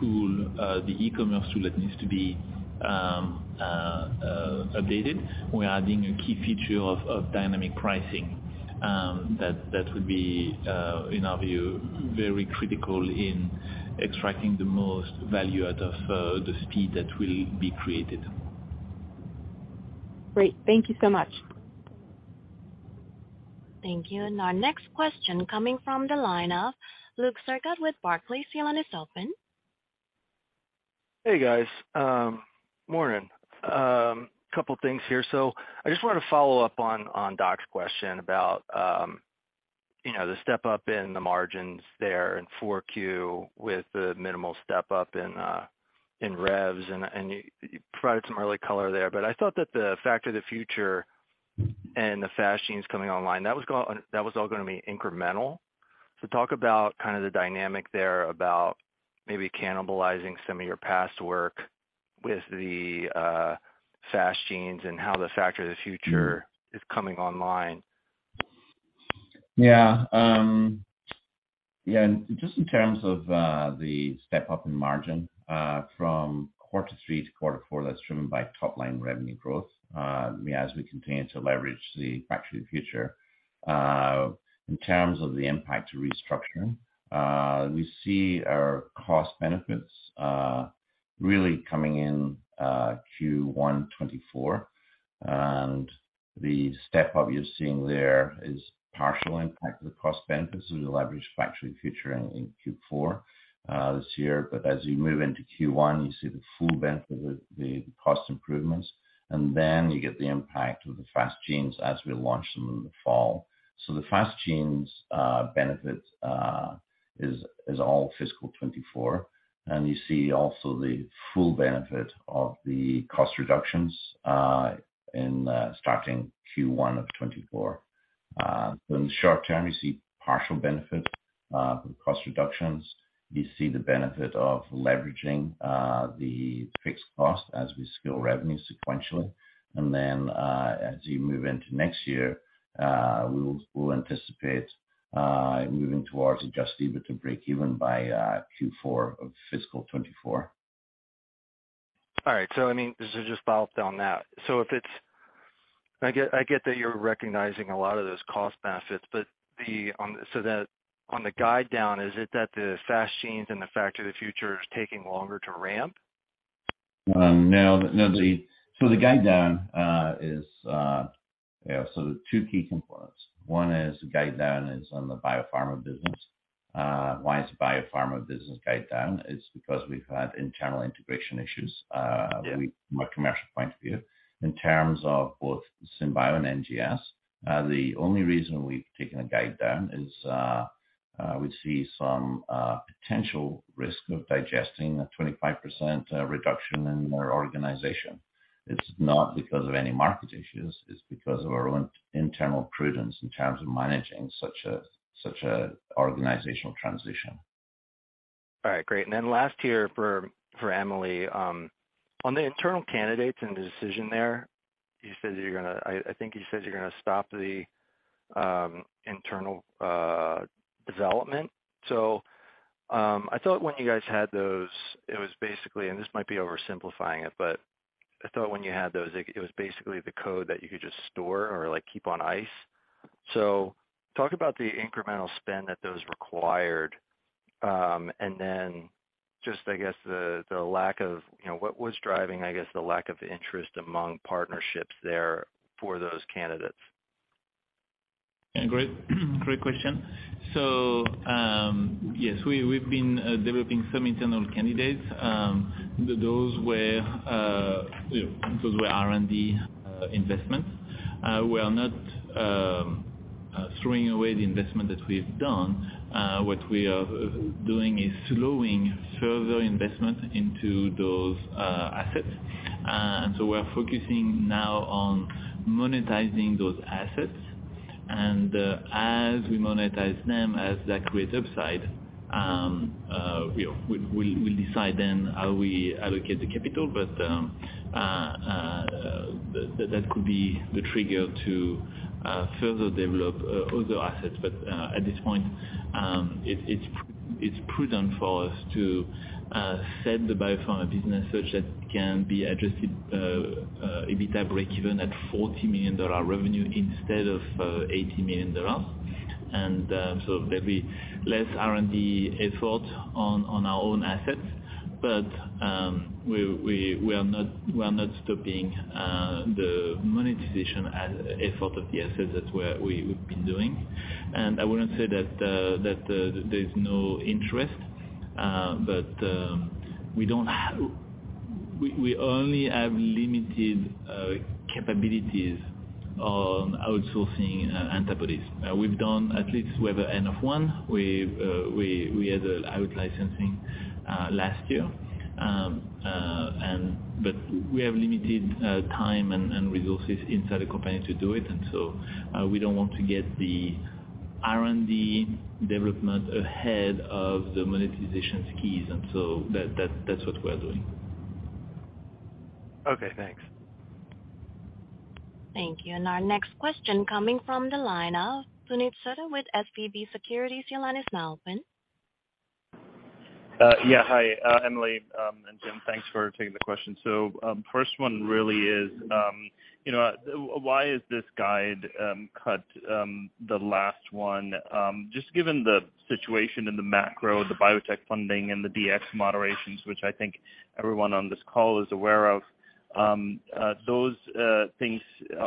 Speaker 3: tool, the e-commerce tool that needs to be updated. We're adding a key feature of dynamic pricing, that would be, in our view, very critical in extracting the most value out of the speed that will be created.
Speaker 4: Great. Thank you so much.
Speaker 1: Thank you. Our next question coming from the line of Luke Sergott with Barclays. Your line is open.
Speaker 10: Hey, guys. morning. couple things here. I just wanted to follow up on Doug's question about, you know, the step-up in the margins there in 4Q with the minimal step-up in revs, and you provided some early color there. I thought that the Factory of the Future and the Fast Genes coming online, that was all going to be incremental. Talk about kind of the dynamic there about maybe cannibalizing some of your past work with the Fast Genes and how the Factory of the Future is coming online.
Speaker 4: Just in terms of the step-up in margin from quarter three to quarter four, that's driven by top-line revenue growth as we continue to leverage the Factory of the Future. In terms of the impact to restructuring, we see our cost benefits really coming in Q1 2024. The step-up you're seeing there is partial impact of the cost benefits and the leverage Factory of the Future in Q4 this year. As you move into Q1, you see the full benefit of the cost improvements, and then you get the impact of the Fast Genes as we launch them in the fall. The Fast Genes benefit is all fiscal 2024. You see also the full benefit of the cost reductions in starting Q1 of 2024. In the short term, you see partial benefit for the cost reductions. You see the benefit of leveraging the fixed cost as we scale revenue sequentially. As you move into next year, we'll anticipate moving towards adjusted EBITDA breakeven by Q4 of fiscal 2024.
Speaker 10: All right. I mean, just to follow up on that. I get that you're recognizing a lot of those cost benefits, but on the guide down, is it that the Fast Genes and the Factory of the Future is taking longer to ramp?
Speaker 4: No. No, the guide down is, yeah, so two key components. One is the guide down is on the biopharma business. Why is the biopharma business guide down? It's because we've had internal integration issues,
Speaker 10: Yeah.
Speaker 4: From a commercial point of view. In terms of both SynBio and NGS, the only reason we've taken a guide down is, we see some potential risk of digesting a 25% reduction in our organization. It's not because of any market issues. It's because of our own internal prudence in terms of managing such an organizational transition.
Speaker 10: All right, great. Last here for Emily. On the internal candidates and the decision there, you said you're going to stop the internal development. I thought when you guys had those, it was basically, and this might be oversimplifying it, but I thought when you had those, it was basically the code that you could just store or, like, keep on ice. Talk about the incremental spend that those required. Just I guess the lack of, you know, what was driving, I guess, the lack of interest among partnerships there for those candidates.
Speaker 3: Great, great question. Yes, we've been developing some internal candidates, those where those were R&D investments. We are not throwing away the investment that we've done. What we are doing is slowing further investment into those assets. We are focusing now on monetizing those assets. As we monetize them, as that creates upside, we'll decide then how we allocate the capital. That could be the trigger to further develop other assets. At this point, it's prudent for us to set the biopharma business such that it can be adjusted EBITA breakeven at $40 million revenue instead of $80 million. There'll be less R&D effort on our own assets. We are not stopping the monetization as effort of the assets. That's where we've been doing. I wouldn't say that there's no interest. We only have limited capabilities on outsourcing antibodies. We've done at least we have an N of 1. We've had a out-licensing last year. We have limited time and resources inside the company to do it. We don't want to get the R&D development ahead of the monetization skis. That's what we're doing.
Speaker 10: Okay, thanks.
Speaker 1: Thank you. Our next question coming from the line of Puneet Souda with SVB Securities. Your line is now open.
Speaker 11: Yeah. Hi, Emily, and Jim, thanks for taking the question. First one really is, you know, why is this guide cut the last one? Just given the situation in the macro, the biotech funding and the DX moderations, which I think everyone on this call is aware of, those things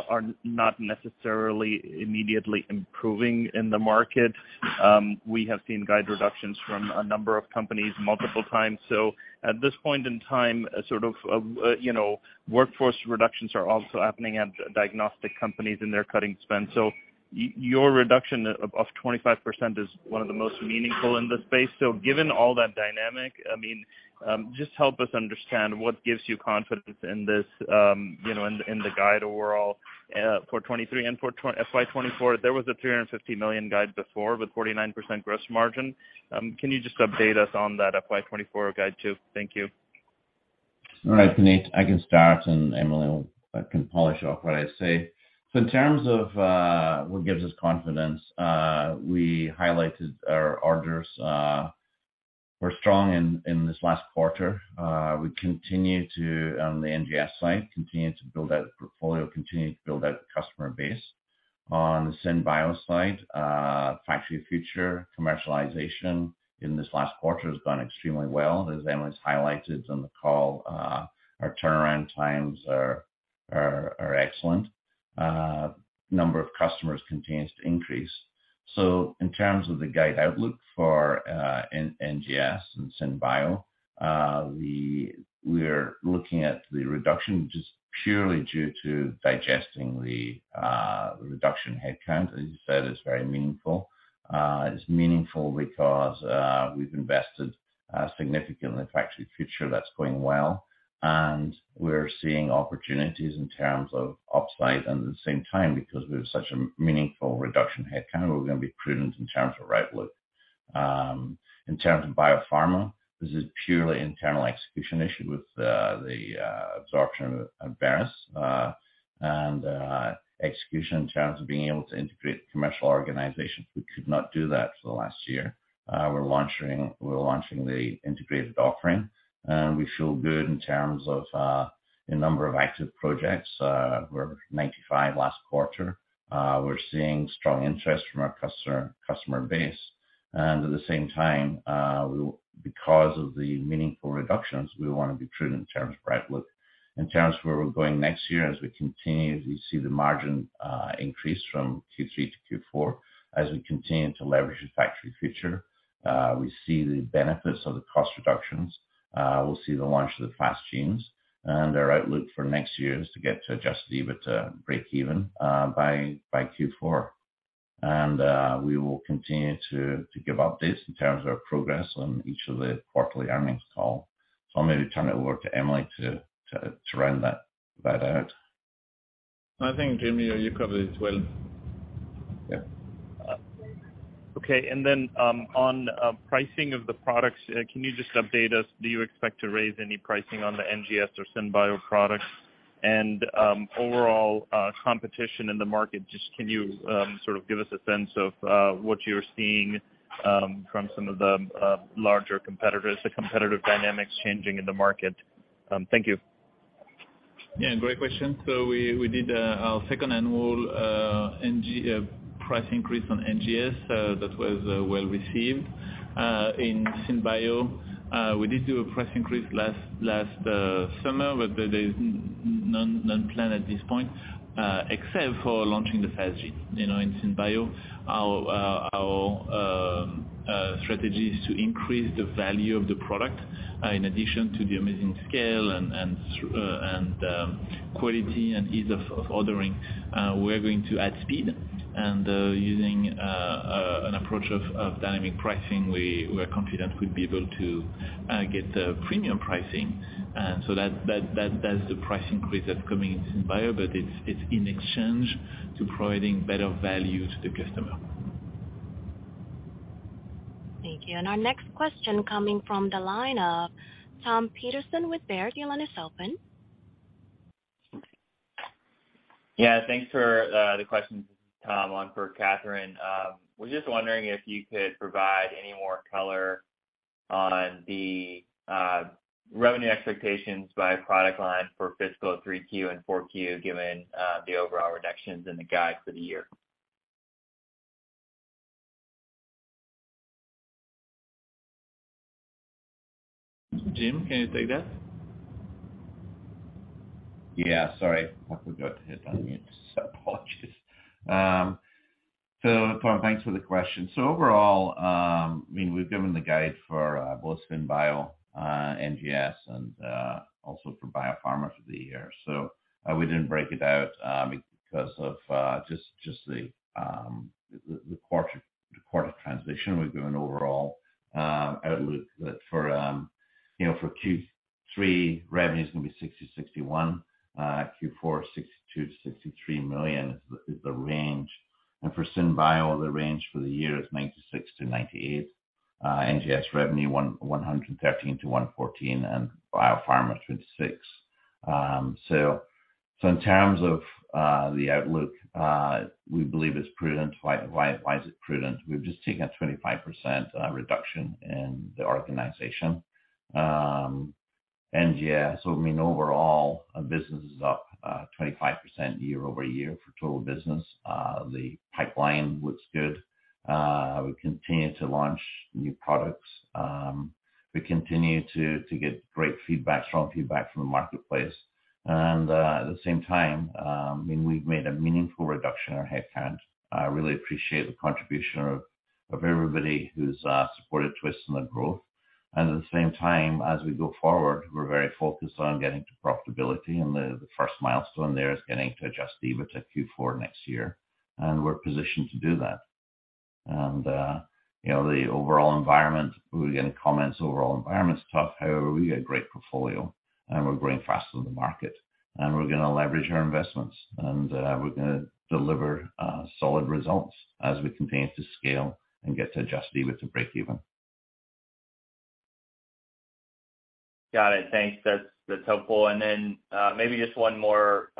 Speaker 11: are not necessarily immediately improving in the market. We have seen guide reductions from a number of companies multiple times. At this point in time, sort of, you know, workforce reductions are also happening at diagnostic companies, and they're cutting spend. Your reduction of 25% is one of the most meaningful in this space. Given all that dynamic, I mean, just help us understand what gives you confidence in this, you know, in the guide overall, for 2023 and for FY 2024. There was a $350 million guide before with 49% gross margin. Can you just update us on that FY 2024 guide too? Thank you.
Speaker 4: All right, Puneet. I can start, and Emily can polish off what I say. In terms of what gives us confidence, we highlighted our orders were strong in this last quarter. We continue to, on the NGS side, continue to build out the portfolio, continue to build out the customer base. On the SynBio side, Factory of the Future commercialization in this last quarter has gone extremely well. As Emily's highlighted on the call, our turnaround times are excellent. Number of customers continues to increase. In terms of the guide outlook for NGS and SynBio, we're looking at the reduction just purely due to digesting the reduction in headcount. As you said, it's very meaningful. It's meaningful because we've invested significantly in the Factory of the Future. That's going well. We're seeing opportunities in terms of upside. At the same time, because we have such a meaningful reduction in headcount, we're going to be prudent in terms of outlook. In terms of biopharma, this is purely internal execution issue with the absorption of Abveris. Execution in terms of being able to integrate commercial organizations, we could not do that for the last year. We're launching the integrated offering, and we feel good in terms of the number of active projects. We're 95 last quarter. We're seeing strong interest from our customer base. At the same time, because of the meaningful reductions, we want to be prudent in terms of outlook. In terms of where we're going next year, as we continue, as you see the margin, increase from Q3 to Q4, as we continue to leverage the Factory of the Future, we see the benefits of the cost reductions. We'll see the launch of the Fast Genes. Our outlook for next year is to get to adjusted EBITA breakeven, by Q4. We will continue to give updates in terms of our progress on each of the quarterly earnings call. I'll maybe turn it over to Emily to round that out.
Speaker 3: I think, Jimmy, you covered it well.
Speaker 4: Yeah.
Speaker 11: Okay. On pricing of the products, can you just update us, do you expect to raise any pricing on the NGS or SynBio products? Overall, competition in the market, just can you sort of give us a sense of what you're seeing from some of the larger competitors, the competitive dynamics changing in the market? Thank you.
Speaker 3: Great question. We did our second annual price increase on NGS that was well received. In SynBio, we did do a price increase last summer, but there's none planned at this point, except for launching the Fast Gene. You know, in SynBio, our strategy is to increase the value of the product, in addition to the amazing scale and quality and ease of ordering. We're going to add speed and using an approach of dynamic pricing, we're confident we'll be able to get the premium pricing. That's the price increase that's coming into SynBio, but it's in exchange to providing better value to the customer.
Speaker 1: Thank you. Our next question coming from the line of Thomas Peterson with Baird. Your line is open.
Speaker 12: Yeah, thanks for the questions, Tom. One for Catherine, was just wondering if you could provide any more color on the revenue expectations by product line for fiscal 3Q and 4Q, given the overall reductions in the guide for the year.
Speaker 3: Jim, can you take that?
Speaker 4: Yeah, sorry, I forgot to hit unmute. Apologies. Tom, thanks for the question. Overall, I mean, we've given the guide for both SynBio, NGS, and also for Biopharma for the year. We didn't break it out because of just the quarter transition. We've given overall outlook that for, you know, for Q3, revenue is going to be $60 million-$61 million, Q4, $62 million-$63 million is the range. For SynBio, the range for the year is $96 million-$98 million. NGS revenue $113 million-$114 million, and Biopharma, $26 million. In terms of the outlook, we believe it's prudent. Why is it prudent? We've just taken a 25% reduction in the organization. Overall, our business is up 25% year-over-year for total business. The pipeline looks good. We continue to launch new products. We continue to get great feedback, strong feedback from the marketplace. At the same time, we've made a meaningful reduction in our headcount. I really appreciate the contribution of everybody who's supported Twist in the growth. At the same time, as we go forward, we're very focused on getting to profitability, and the first milestone there is getting to adjusted EBITDA Q4 next year, and we're positioned to do that. You know, the overall environment, we get comments, overall environment's tough, however, we got a great portfolio and we're growing faster than the market. We're going to leverage our investments, and we're going to deliver solid results as we continue to scale and get to adjusted EBITDA to break even.
Speaker 12: Got it. Thanks. That's, that's helpful. Then, maybe just one more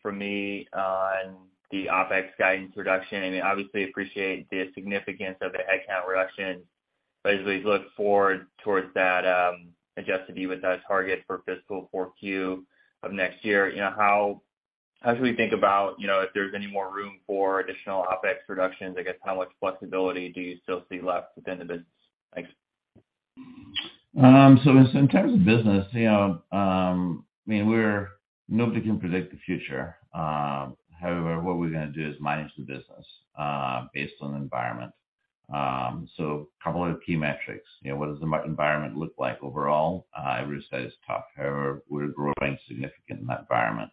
Speaker 12: from me, on the OpEx guidance reduction. I mean, obviously appreciate the significance of the headcount reduction. As we look forward towards that, adjusted EBITDA target for fiscal 4Q of next year, you know, how should we think about, you know, if there's any more room for additional OpEx reductions? I guess how much flexibility do you still see left within the business? Thanks.
Speaker 4: So in terms of business, you know, nobody can predict the future. However, what we're going to do is manage the business based on the environment. So couple of key metrics. You know, what does the environment look like overall? I would say it's tough. However, we're growing significant in that environment.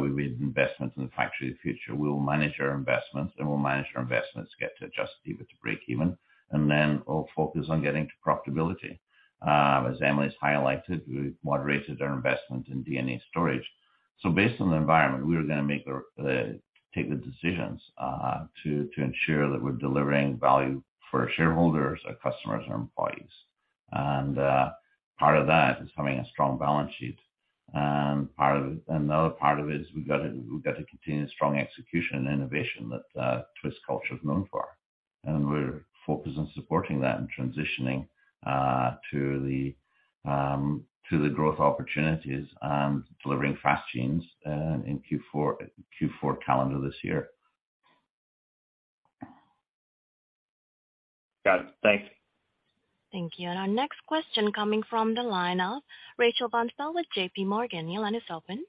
Speaker 4: We've made investments in the Factory of the Future. We'll manage our investments, and we'll manage our investments to get to adjusted EBITDA to break even, and then we'll focus on getting to profitability. As Emily's highlighted, we've moderated our investment in DNA storage. Based on the environment, we are going to make our, take the decisions to ensure that we're delivering value for our shareholders, our customers, and our employees. Part of that is having a strong balance sheet. Another part of it is we've got to continue strong execution and innovation that Twist culture is known for. We're focused on supporting that and transitioning to the growth opportunities and delivering Fast Genes in Q4 calendar this year.
Speaker 12: Got it. Thanks.
Speaker 1: Thank you. Our next question coming from the line of Rachel Vatnsdal with JPMorgan. Your line is open.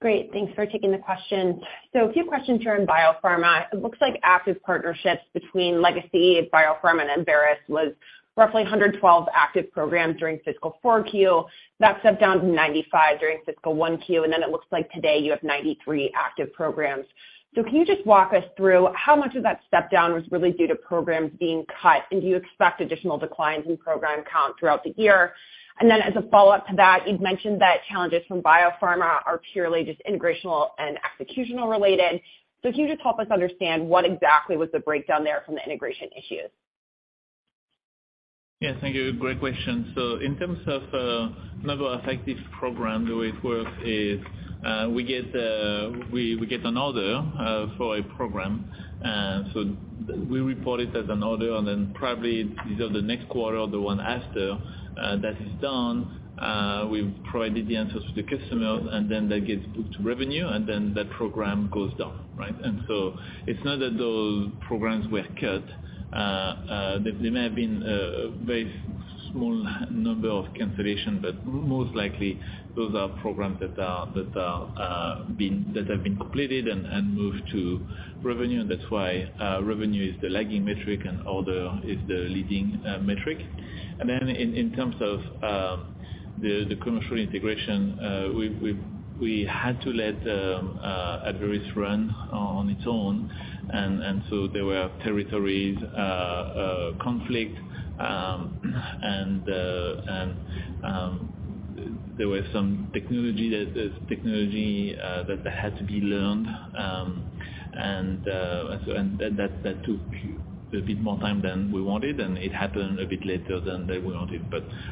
Speaker 13: Great. Thanks for taking the question. A few questions here on Biopharma. It looks like active partnerships between Legacy, Biopharma, and Abveris was roughly 112 active programs during fiscal 4Q. That stepped down to 95 during fiscal 1Q, and then it looks like today you have 93 active programs. Can you just walk us through how much of that step down was really due to programs being cut? Do you expect additional declines in program count throughout the year? As a follow-up to that, you've mentioned that challenges from Biopharma are purely just integrational and executional related. Can you just help us understand what exactly was the breakdown there from the integration issues?
Speaker 3: Yes, thank you. Great question. In terms of number of active program, the way it works is, we get an order for a program. We report it as an order, and then probably it's either the next quarter or the one after, that is done, we've provided the answers to the customers, and then that gets booked to revenue, and then that program goes down, right? It's not that those programs were cut. There may have been a very small number of cancellation, but most likely those are programs that have been completed and moved to revenue. That's why revenue is the lagging metric and order is the leading metric. Then in terms of the commercial integration, we had to let Abveris run on its own. So there were territories conflict, and there's technology that had to be learned. So that took a bit more time than we wanted, and it happened a bit later than we wanted.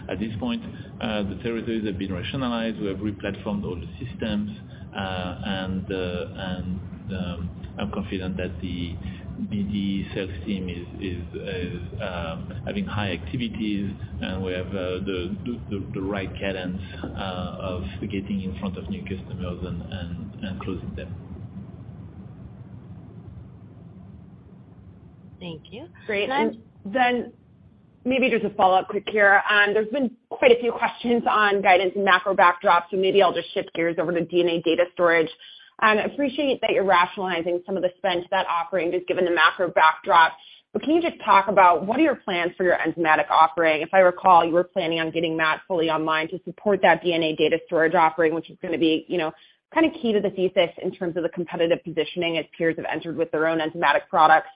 Speaker 3: At this point, the territories have been rationalized. We have re-platformed all the systems, and the I'm confident that the BD sales team is having high activities, and we have the right cadence of getting in front of new customers and closing them.
Speaker 1: Thank you.
Speaker 13: Great. Maybe just a follow-up quick here. There's been quite a few questions on guidance and macro backdrop, so maybe I'll just shift gears over to DNA data storage. Appreciate that you're rationalizing some of the spend to that offering just given the macro backdrop. Can you just talk about what are your plans for your enzymatic offering? If I recall, you were planning on getting that fully online to support that DNA data storage offering, which is going to be, you know, kind of key to the thesis in terms of the competitive positioning as peers have entered with their own enzymatic products.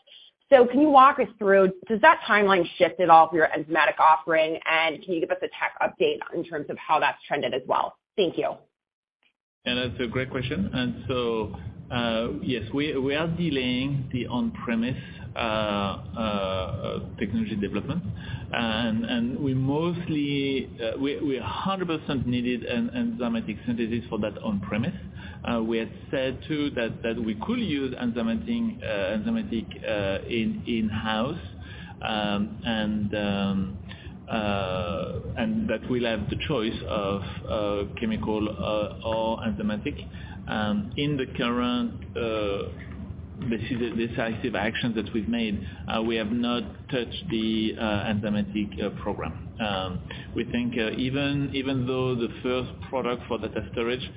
Speaker 13: Can you walk us through, does that timeline shift at all for your enzymatic offering? Can you give us a tech update in terms of how that's trended as well? Thank you.
Speaker 3: Anna, it's a great question. Yes, we are delaying the on-premise technology development. We 100% needed an enzymatic synthesis for that on-premise. We had said too that we could use enzymatic in-house. That we'll have the choice of chemical or enzymatic. In the current decisive actions that we've made, we have not touched the enzymatic program. We think, even though the first product for data storage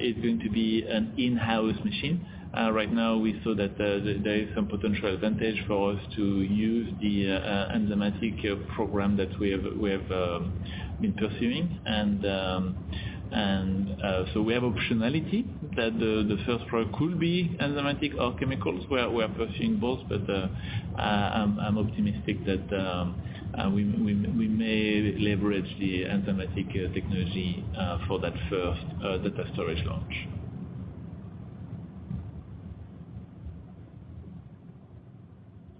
Speaker 3: is going to be an in-house machine, right now we saw that there is some potential advantage for us to use the enzymatic program that we have been pursuing. We have optionality that the first product could be enzymatic or chemicals. We are pursuing both. I'm optimistic that we may leverage the enzymatic technology for that first data storage launch.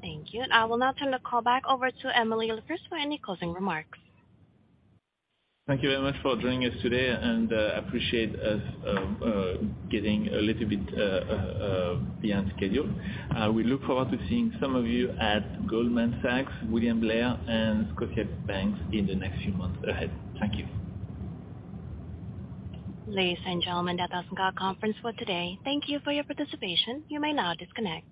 Speaker 1: Thank you. I will now turn the call back over to Emily Leproust for any closing remarks.
Speaker 3: Thank you very much for joining us today. Appreciate us getting a little bit beyond schedule. We look forward to seeing some of you at Goldman Sachs, William Blair, and Scotiabank in the next few months ahead. Thank you.
Speaker 1: Ladies and gentlemen, that does end our conference for today. Thank you for your participation. You may now disconnect.